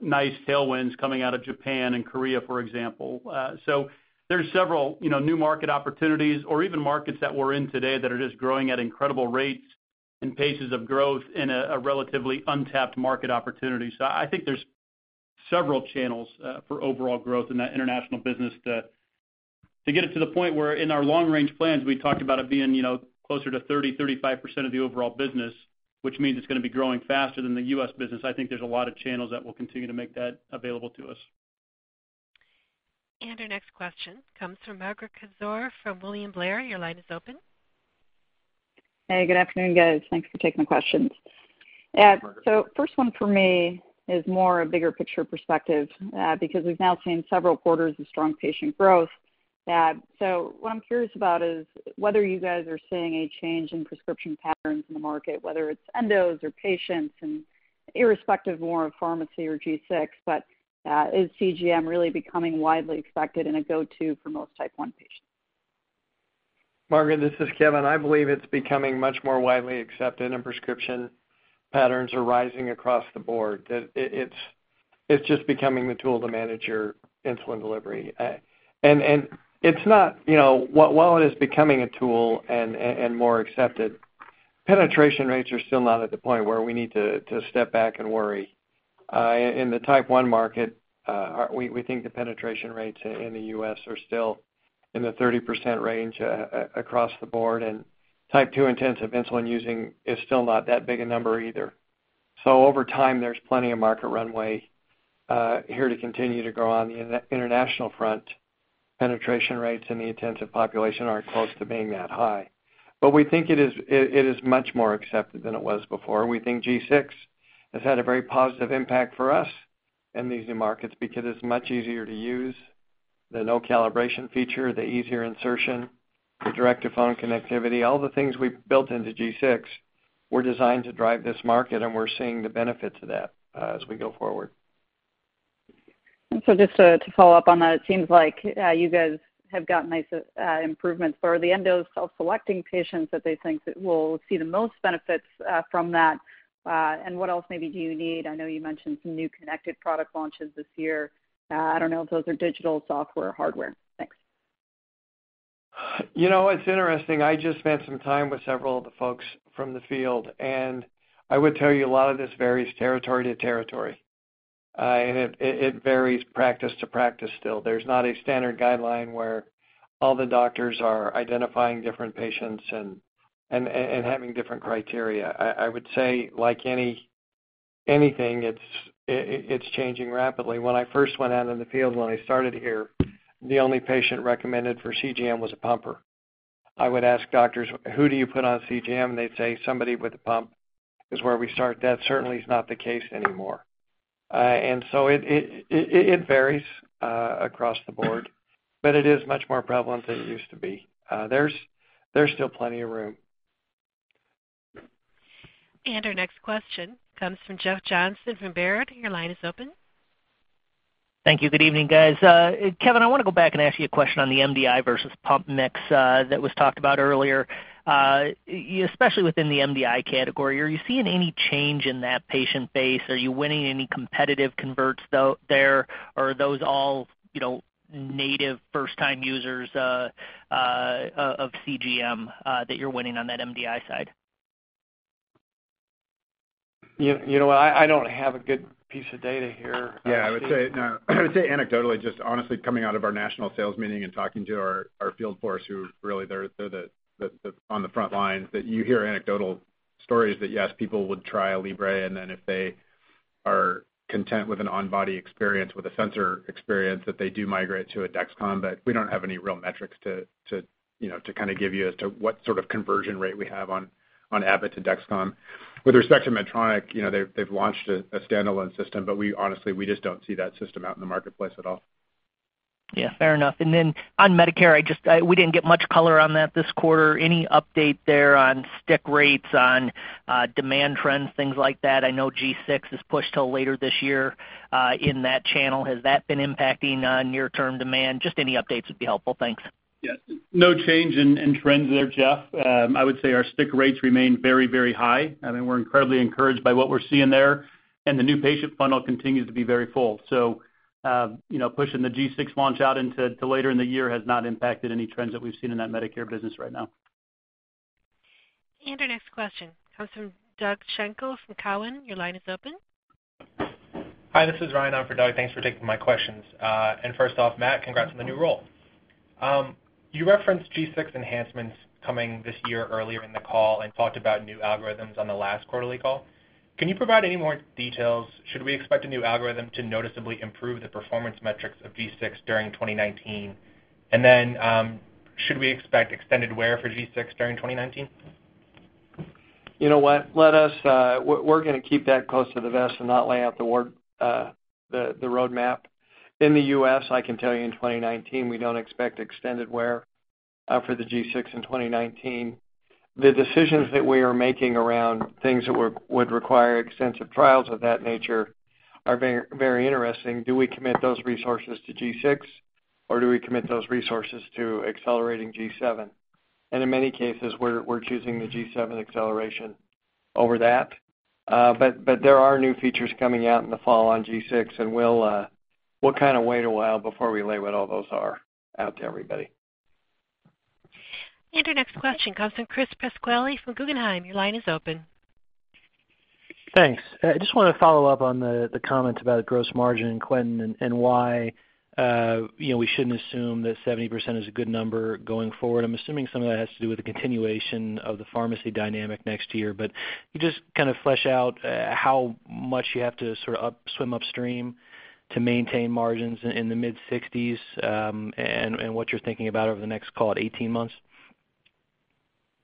nice tailwinds coming out of Japan and Korea, for example. There's several new market opportunities or even markets that we're in today that are just growing at incredible rates and paces of growth in a relatively untapped market opportunity. I think there's several channels for overall growth in that international business to get it to the point where in our long-range plans, we talked about it being closer to 30, 35% of the overall business, which means it's going to be growing faster than the U.S. business. I think there's a lot of channels that will continue to make that available to us. Our next question comes from Margaret Kaczor from William Blair. Your line is open. Hey, good afternoon, guys. Thanks for taking the questions. First one for me is more a bigger picture perspective, because we've now seen several quarters of strong patient growth. What I'm curious about is whether you guys are seeing a change in prescription patterns in the market, whether it's endos or patients and irrespective more of pharmacy or G6, but is CGM really becoming widely expected and a go-to for most type 1 patients? Margaret, this is Kevin. I believe it's becoming much more widely accepted, and prescription patterns are rising across the board. It's just becoming the tool to manage your insulin delivery. While it is becoming a tool and more accepted, penetration rates are still not at the point where we need to step back and worry. In the type 1 market, we think the penetration rates in the U.S. are still in the 30% range across the board, and type 2 intensive insulin using is still not that big a number either. Over time, there's plenty of market runway here to continue to grow. On the international front, penetration rates in the intensive population aren't close to being that high. We think it is much more accepted than it was before. We think G6 has had a very positive impact for us in these new markets because it's much easier to use. The no calibration feature, the easier insertion, the direct-to-phone connectivity, all the things we've built into G6 were designed to drive this market, and we're seeing the benefits of that as we go forward. Just to follow up on that, it seems like you guys have got nice improvements. Are the endos self-selecting patients that they think will see the most benefits from that? What else maybe do you need? I know you mentioned some new connected product launches this year. I don't know if those are digital, software, or hardware. Thanks. It's interesting. I just spent some time with several of the folks from the field, and I would tell you a lot of this varies territory to territory. It varies practice to practice still. There's not a standard guideline where all the doctors are identifying different patients and having different criteria. I would say, like anything, it's changing rapidly. When I first went out in the field when I started here, the only patient recommended for CGM was a pumper. I would ask doctors, "Who do you put on CGM?" They'd say, "Somebody with a pump is where we start." That certainly is not the case anymore. It varies across the board, but it is much more prevalent than it used to be. There's still plenty of room. Our next question comes from Jeff Johnson from Baird. Your line is open. Thank you. Good evening, guys. Kevin, I want to go back and ask you a question on the MDI versus pump mix that was talked about earlier. Especially within the MDI category, are you seeing any change in that patient base? Are you winning any competitive converts there? Or are those all native first-time users of CGM that you're winning on that MDI side? You know what? I don't have a good piece of data here. Yeah, I would say anecdotally, just honestly, coming out of our national sales meeting and talking to our field force who really they're on the front lines, that you hear anecdotal. stories that yes, people would try a Libre, then if they are content with an on-body experience, with a sensor experience, that they do migrate to a Dexcom. We don't have any real metrics to give you as to what sort of conversion rate we have on Abbott to Dexcom. With respect to Medtronic, they've launched a standalone system. Honestly, we just don't see that system out in the marketplace at all. Yeah. Fair enough. Then on Medicare, we didn't get much color on that this quarter. Any update there on stick rates, on demand trends, things like that? I know G6 is pushed till later this year in that channel. Has that been impacting near-term demand? Just any updates would be helpful. Thanks. Yes. No change in trends there, Jeff. I would say our stick rates remain very high. We're incredibly encouraged by what we're seeing there, the new patient funnel continues to be very full. Pushing the G6 launch out into later in the year has not impacted any trends that we've seen in that Medicare business right now. Our next question comes from Doug Schenkel from Cowen. Your line is open. Hi, this is Ryan. I'm for Doug. Thanks for taking my questions. First off, Matt, congrats on the new role. You referenced G6 enhancements coming this year earlier in the call and talked about new algorithms on the last quarterly call. Can you provide any more details? Should we expect a new algorithm to noticeably improve the performance metrics of G6 during 2019? Then, should we expect extended wear for G6 during 2019? You know what? We're going to keep that close to the vest and not lay out the roadmap. In the U.S., I can tell you in 2019, we don't expect extended wear for the G6 in 2019. The decisions that we are making around things that would require extensive trials of that nature are very interesting. Do we commit those resources to G6, or do we commit those resources to accelerating G7? In many cases, we're choosing the G7 acceleration over that. There are new features coming out in the fall on G6, and we'll wait a while before we lay what all those are out to everybody. Our next question comes from Chris Pasquale from Guggenheim. Your line is open. Thanks. I just want to follow up on the comment about gross margin, Quentin, why we shouldn't assume that 70% is a good number going forward. I'm assuming some of that has to do with the continuation of the pharmacy dynamic next year. Can you just flesh out how much you have to swim upstream to maintain margins in the mid-60s, and what you're thinking about over the next, call it, 18 months?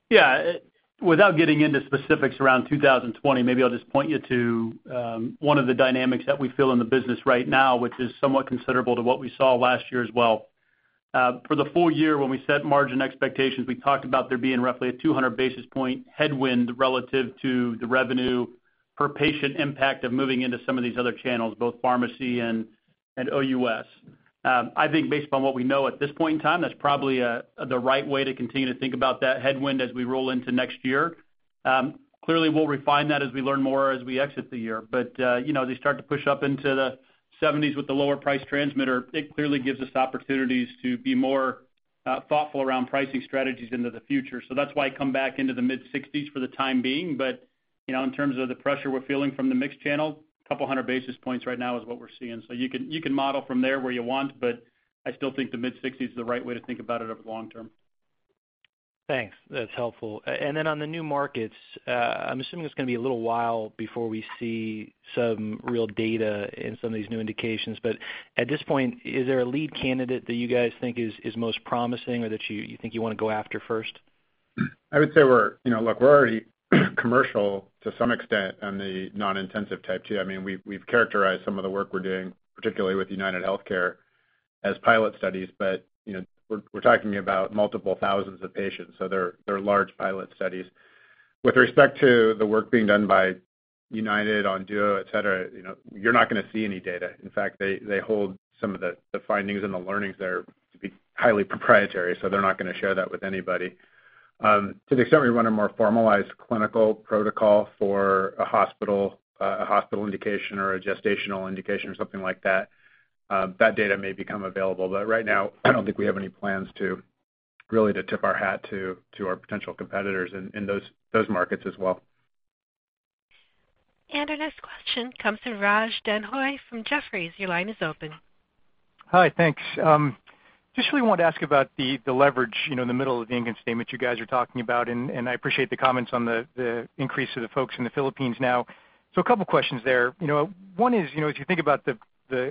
Yeah. Without getting into specifics around 2020, maybe I'll just point you to one of the dynamics that we feel in the business right now, which is somewhat considerable to what we saw last year as well. For the full year, when we set margin expectations, we talked about there being roughly a 200 basis points headwind relative to the revenue per patient impact of moving into some of these other channels, both pharmacy and OUS. I think based upon what we know at this point in time, that's probably the right way to continue to think about that headwind as we roll into next year. Clearly, we'll refine that as we learn more as we exit the year. As they start to push up into the 70s with the lower price transmitter, it clearly gives us opportunities to be more thoughtful around pricing strategies into the future. That's why I come back into the mid-60s for the time being. In terms of the pressure we're feeling from the mixed channel, a couple of hundred basis points right now is what we're seeing. You can model from there where you want, but I still think the mid-60s is the right way to think about it over the long term. Thanks. That's helpful. Then on the new markets, I'm assuming it's going to be a little while before we see some real data in some of these new indications. At this point, is there a lead candidate that you guys think is most promising or that you think you want to go after first? I would say we're already commercial to some extent on the non-intensive type 2. We've characterized some of the work we're doing, particularly with UnitedHealthcare, as pilot studies, but we're talking about multiple thousands of patients. They're large pilot studies. With respect to the work being done by UnitedHealthcare on Duo, et cetera, you're not going to see any data. In fact, they hold some of the findings and the learnings there to be highly proprietary, so they're not going to share that with anybody. To the extent we run a more formalized clinical protocol for a hospital indication or a gestational indication or something like that data may become available. Right now, I don't think we have any plans to really tip our hat to our potential competitors in those markets as well. Our next question comes from Raj Denhoy from Jefferies. Your line is open. Hi. Thanks. Just really wanted to ask about the leverage in the middle of the income statement you guys are talking about. I appreciate the comments on the increase of the folks in the Philippines now. A couple of questions there. One is, as you think about the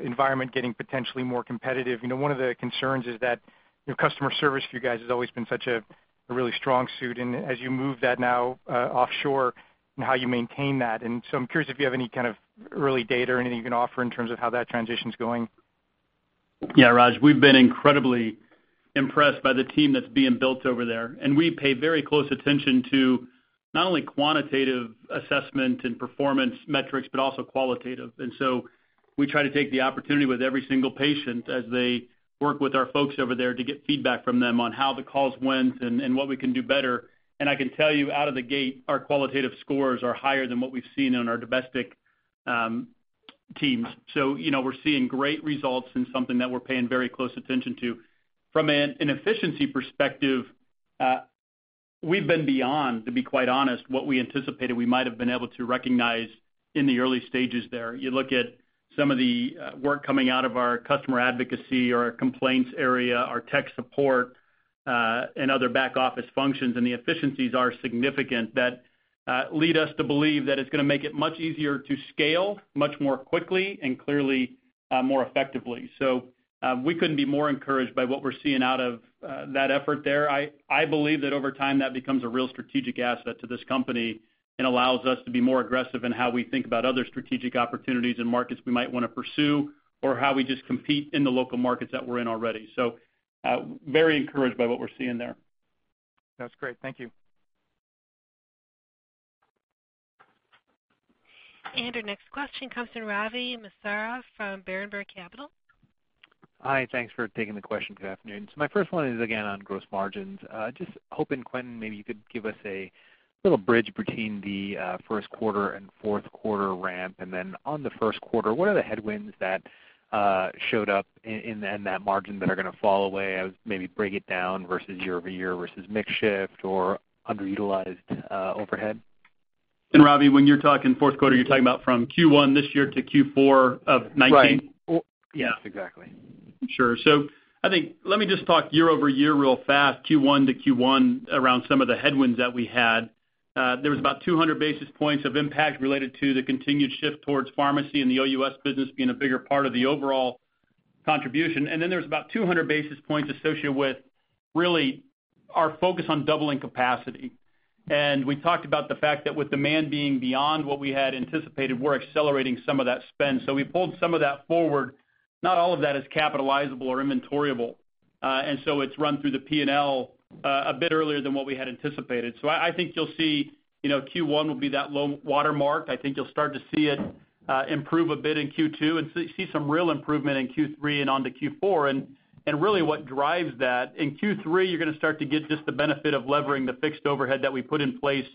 environment getting potentially more competitive, one of the concerns is that your customer service for you guys has always been such a really strong suit, as you move that now offshore and how you maintain that. I'm curious if you have any kind of early data or anything you can offer in terms of how that transition's going. Yeah, Raj. We've been incredibly impressed by the team that's being built over there. We pay very close attention to not only quantitative assessment and performance metrics, but also qualitative. We try to take the opportunity with every single patient as they work with our folks over there to get feedback from them on how the calls went and what we can do better. I can tell you, out of the gate, our qualitative scores are higher than what we've seen on our domestic teams. We're seeing great results and something that we're paying very close attention to. From an efficiency perspective, we've been beyond, to be quite honest, what we anticipated we might have been able to recognize in the early stages there. You look at some of the work coming out of our customer advocacy or our complaints area, our tech support and other back-office functions. The efficiencies are significant that lead us to believe that it's going to make it much easier to scale much more quickly and clearly more effectively. We couldn't be more encouraged by what we're seeing out of that effort there. I believe that over time, that becomes a real strategic asset to this company and allows us to be more aggressive in how we think about other strategic opportunities and markets we might want to pursue or how we just compete in the local markets that we're in already. Very encouraged by what we're seeing there. That's great. Thank you. Our next question comes from Ravi Misra from Berenberg Capital Markets. Hi. Thanks for taking the question. Good afternoon. My first one is again on gross margins. Just hoping, Quentin, maybe you could give us a little bridge between the first quarter and fourth quarter ramp. Then on the first quarter, what are the headwinds that showed up in that margin that are going to fall away? Maybe break it down versus year-over-year, versus mix shift or underutilized overhead. Ravi, when you're talking fourth quarter, you're talking about from Q1 this year to Q4 of 2019? Right. Yes, exactly. Sure. I think let me just talk year-over-year real fast, Q1 to Q1 around some of the headwinds that we had. There was about 200 basis points of impact related to the continued shift towards pharmacy and the OUS business being a bigger part of the overall contribution. There's about 200 basis points associated with really our focus on doubling capacity. We talked about the fact that with demand being beyond what we had anticipated, we're accelerating some of that spend. We pulled some of that forward. Not all of that is capitalizable or inventoriable. It's run through the P&L a bit earlier than what we had anticipated. I think you'll see Q1 will be that low watermark. I think you'll start to see it improve a bit in Q2, and see some real improvement in Q3 and on to Q4. Really what drives that, in Q3, you're going to start to get just the benefit of levering the fixed overhead that we put in place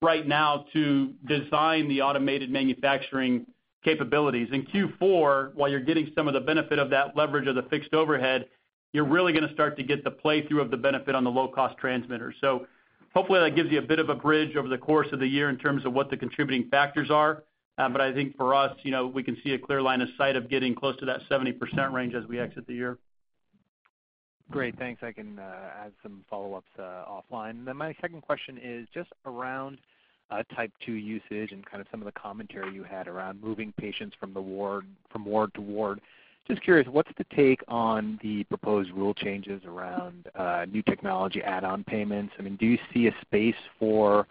right now to design the automated manufacturing capabilities. In Q4, while you're getting some of the benefit of that leverage of the fixed overhead, you're really going to start to get the play through of the benefit on the low-cost transmitter. Hopefully that gives you a bit of a bridge over the course of the year in terms of what the contributing factors are. I think for us, we can see a clear line of sight of getting close to that 70% range as we exit the year. Great. Thanks. I can add some follow-ups offline. My second question is just around type 2 usage and kind of some of the commentary you had around moving patients from ward to ward. Just curious, what's the take on the proposed rule changes around new technology add-on payments? I mean, do you see a space for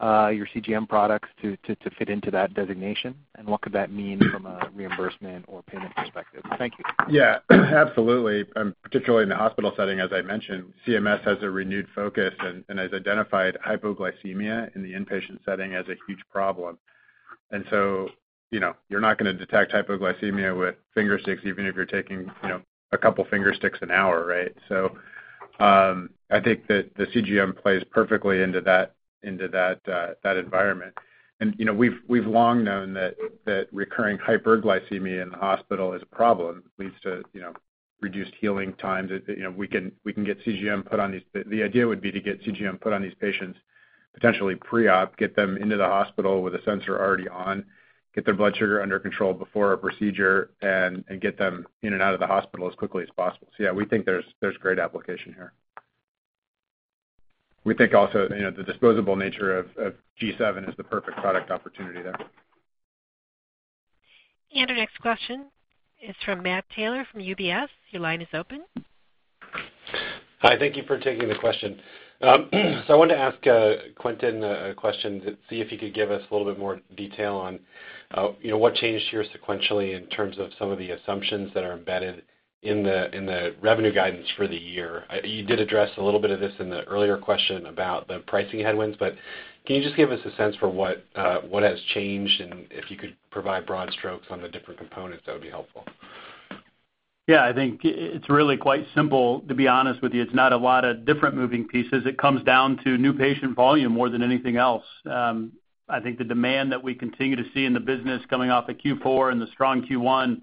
your CGM products to fit into that designation? What could that mean from a reimbursement or payment perspective? Thank you. Yeah, absolutely. Particularly in the hospital setting, as I mentioned, CMS has a renewed focus and has identified hypoglycemia in the inpatient setting as a huge problem. You're not going to detect hypoglycemia with finger sticks even if you're taking a couple of finger sticks an hour, right? I think that the CGM plays perfectly into that environment. We've long known that recurring hyperglycemia in the hospital is a problem. It leads to reduced healing times. The idea would be to get CGM put on these patients potentially pre-op, get them into the hospital with a sensor already on, get their blood sugar under control before a procedure, and get them in and out of the hospital as quickly as possible. Yeah, we think there's great application here. We think also the disposable nature of G7 is the perfect product opportunity there. Our next question is from Matt Taylor from UBS. Your line is open. Hi. Thank you for taking the question. I wanted to ask Quentin a question to see if you could give us a little bit more detail on what changed here sequentially in terms of some of the assumptions that are embedded in the revenue guidance for the year. You did address a little bit of this in the earlier question about the pricing headwinds, but can you just give us a sense for what has changed, and if you could provide broad strokes on the different components, that would be helpful. Yeah, I think it's really quite simple, to be honest with you. It's not a lot of different moving pieces. It comes down to new patient volume more than anything else. I think the demand that we continue to see in the business coming off of Q4 and the strong Q1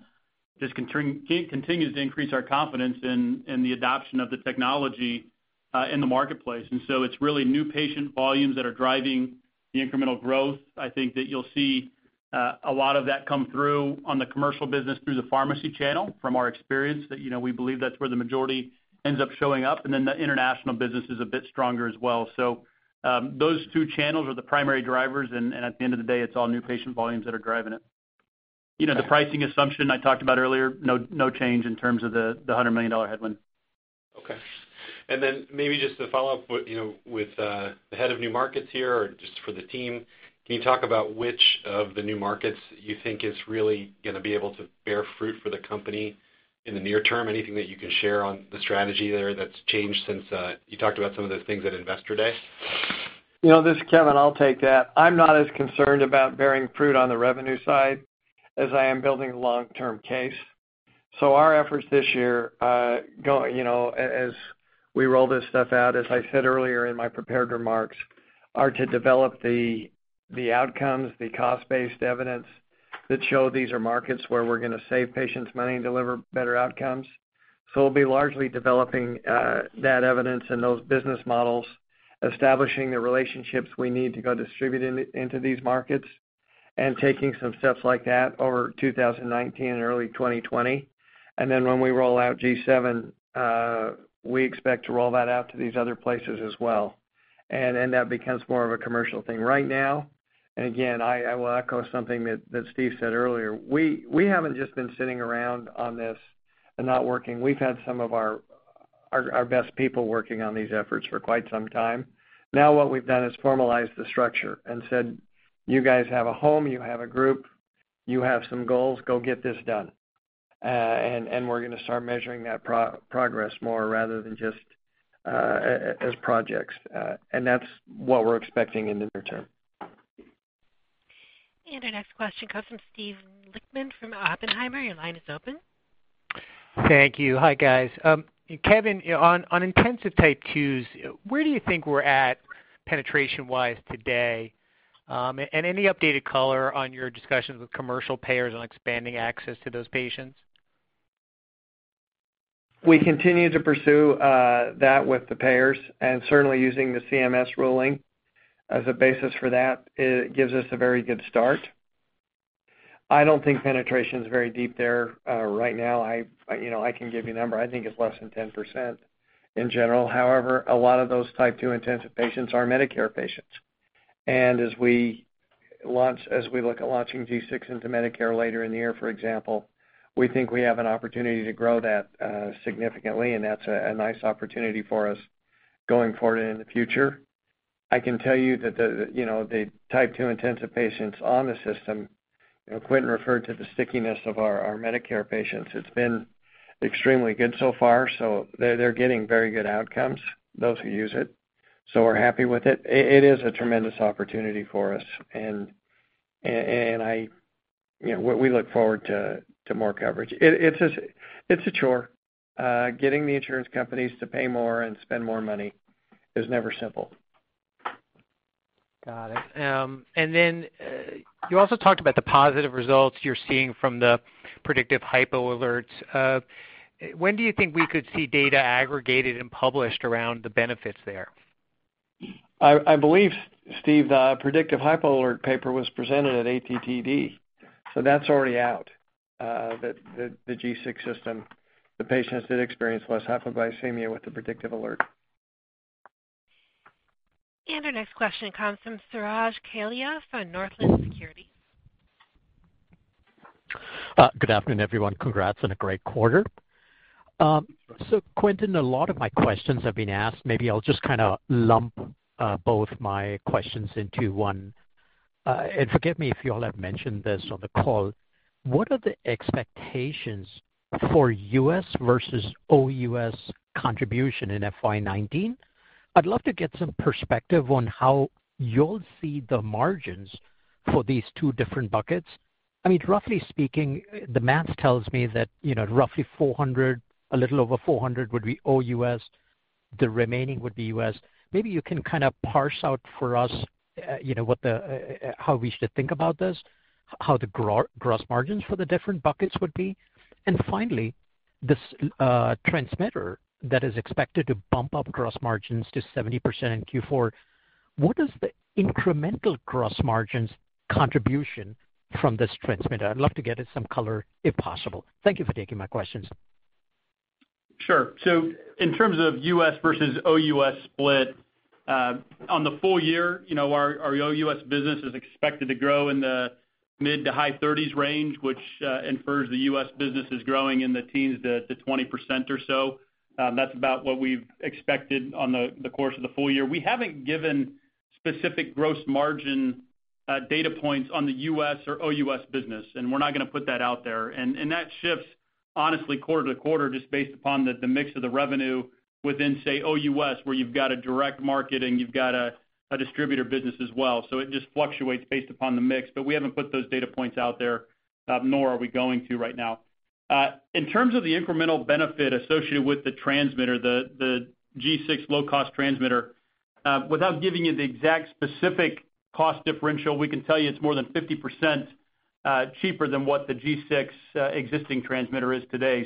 just continues to increase our confidence in the adoption of the technology in the marketplace. It's really new patient volumes that are driving the incremental growth. I think that you'll see a lot of that come through on the commercial business through the pharmacy channel from our experience. We believe that's where the majority ends up showing up. The international business is a bit stronger as well. Those two channels are the primary drivers, and at the end of the day, it's all new patient volumes that are driving it. The pricing assumption I talked about earlier, no change in terms of the $100 million headwind. Okay. Maybe just to follow up with the head of new markets here or just for the team, can you talk about which of the new markets you think is really going to be able to bear fruit for the company in the near term? Anything that you can share on the strategy there that's changed since you talked about some of the things at Investor Day? This is Kevin. I'll take that. I'm not as concerned about bearing fruit on the revenue side as I am building long-term case. Our efforts this year, as we roll this stuff out, as I said earlier in my prepared remarks, are to develop the outcomes, the cost-based evidence that show these are markets where we're going to save patients money and deliver better outcomes. We'll be largely developing that evidence and those business models, establishing the relationships we need to go distribute into these markets. Taking some steps like that over 2019 and early 2020. When we roll out G7, we expect to roll that out to these other places as well. That becomes more of a commercial thing. Right now, and again, I will echo something that Steve said earlier. We haven't just been sitting around on this and not working. We've had some of our best people working on these efforts for quite some time. What we've done is formalized the structure and said, "You guys have a home. You have a group. You have some goals. Go get this done." We're going to start measuring that progress more rather than just as projects. That's what we're expecting in the near term. Our next question comes from Steve Lichtman from Oppenheimer. Your line is open. Thank you. Hi, guys. Kevin, on intensive type 2s, where do you think we're at penetration-wise today? Any updated color on your discussions with commercial payers on expanding access to those patients? We continue to pursue that with the payers, and certainly using the CMS ruling as a basis for that. It gives us a very good start. I don't think penetration's very deep there right now. I can give you a number. I think it's less than 10% in general. A lot of those type 2 intensive patients are Medicare patients. As we look at launching G6 into Medicare later in the year, for example, we think we have an opportunity to grow that significantly, and that's a nice opportunity for us going forward in the future. I can tell you that the type 2 intensive patients on the system, Quentin referred to the stickiness of our Medicare patients. It's been extremely good so far. They're getting very good outcomes, those who use it. We're happy with it. It is a tremendous opportunity for us, and we look forward to more coverage. It's a chore. Getting the insurance companies to pay more and spend more money is never simple. Got it. You also talked about the positive results you're seeing from the predictive hypo alerts. When do you think we could see data aggregated and published around the benefits there? I believe, Steve, the predictive hypo alert paper was presented at ATTD. That's already out. The G6 system, the patients did experience less hypoglycemia with the predictive alert. Our next question comes from Suraj Kalia from Northland Securities. Good afternoon, everyone. Congrats on a great quarter. Quentin, a lot of my questions have been asked. Maybe I'll just kind of lump both my questions into one. Forgive me if you all have mentioned this on the call. What are the expectations for U.S. versus OUS contribution in FY 2019? I'd love to get some perspective on how you'll see the margins for these two different buckets. I mean, roughly speaking, the math tells me that roughly $400, a little over $400 would be OUS. The remaining would be U.S. Maybe you can kind of parse out for us how we should think about this, how the gross margins for the different buckets would be. Finally, this transmitter that is expected to bump up gross margins to 70% in Q4. What is the incremental gross margins contribution from this transmitter? I'd love to get some color if possible. Thank you for taking my questions. Sure. In terms of U.S. versus OUS split, on the full year, our OUS business is expected to grow in the mid to high 30s range, which infers the U.S. business is growing in the teens to 20% or so. That's about what we've expected on the course of the full year. We haven't given specific gross margin data points on the U.S. or OUS business, we're not going to put that out there, that shifts honestly quarter to quarter just based upon the mix of the revenue within, say, OUS, where you've got a direct marketing, you've got a distributor business as well. It just fluctuates based upon the mix. We haven't put those data points out there, nor are we going to right now. In terms of the incremental benefit associated with the transmitter, the G6 low-cost transmitter, without giving you the exact specific cost differential, we can tell you it's more than 50% cheaper than what the G6 existing transmitter is today.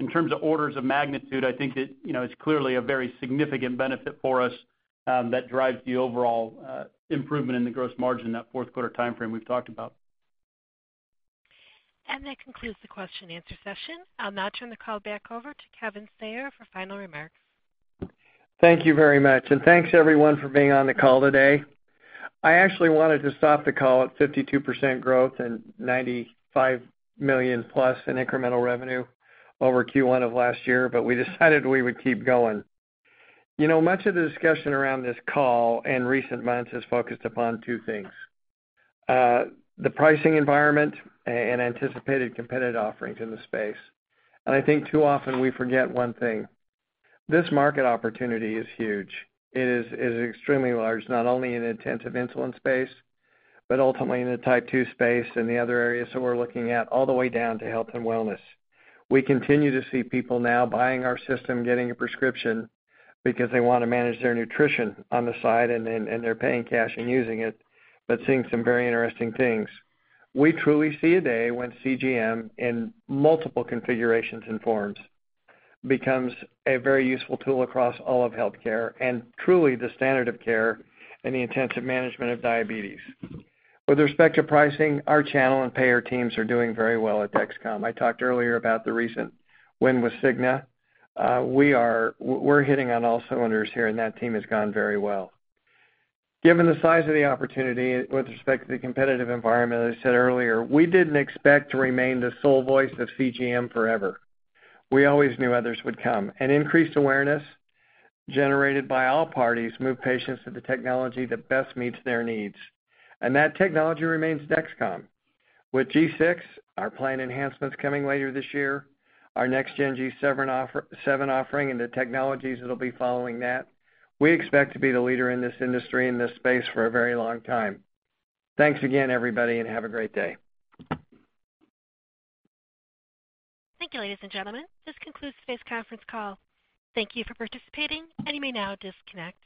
In terms of orders of magnitude, I think that it's clearly a very significant benefit for us that drives the overall improvement in the gross margin in that fourth quarter timeframe we've talked about. That concludes the question and answer session. I'll now turn the call back over to Kevin Sayer for final remarks. Thank you very much, and thanks everyone for being on the call today. I actually wanted to stop the call at 52% growth and $95 million plus in incremental revenue over Q1 of last year. We decided we would keep going. Much of the discussion around this call in recent months has focused upon two things. The pricing environment and anticipated competitive offerings in the space. I think too often we forget one thing. This market opportunity is huge. It is extremely large, not only in the intensive insulin space, but ultimately in the type 2 space and the other areas that we're looking at, all the way down to health and wellness. We continue to see people now buying our system, getting a prescription because they want to manage their nutrition on the side, and they're paying cash and using it, but seeing some very interesting things. We truly see a day when CGM in multiple configurations and forms becomes a very useful tool across all of healthcare, and truly the standard of care in the intensive management of diabetes. With respect to pricing, our channel and payer teams are doing very well at Dexcom. I talked earlier about the recent win with Cigna. We're hitting on all cylinders here, and that team has gone very well. Given the size of the opportunity with respect to the competitive environment, as I said earlier, we didn't expect to remain the sole voice of CGM forever. We always knew others would come. Increased awareness generated by all parties move patients to the technology that best meets their needs. That technology remains Dexcom. With G6, our planned enhancements coming later this year, our next gen G7 offering, and the technologies that'll be following that, we expect to be the leader in this industry, in this space for a very long time. Thanks again, everybody, and have a great day. Thank you, ladies and gentlemen. This concludes today's conference call. Thank you for participating, and you may now disconnect.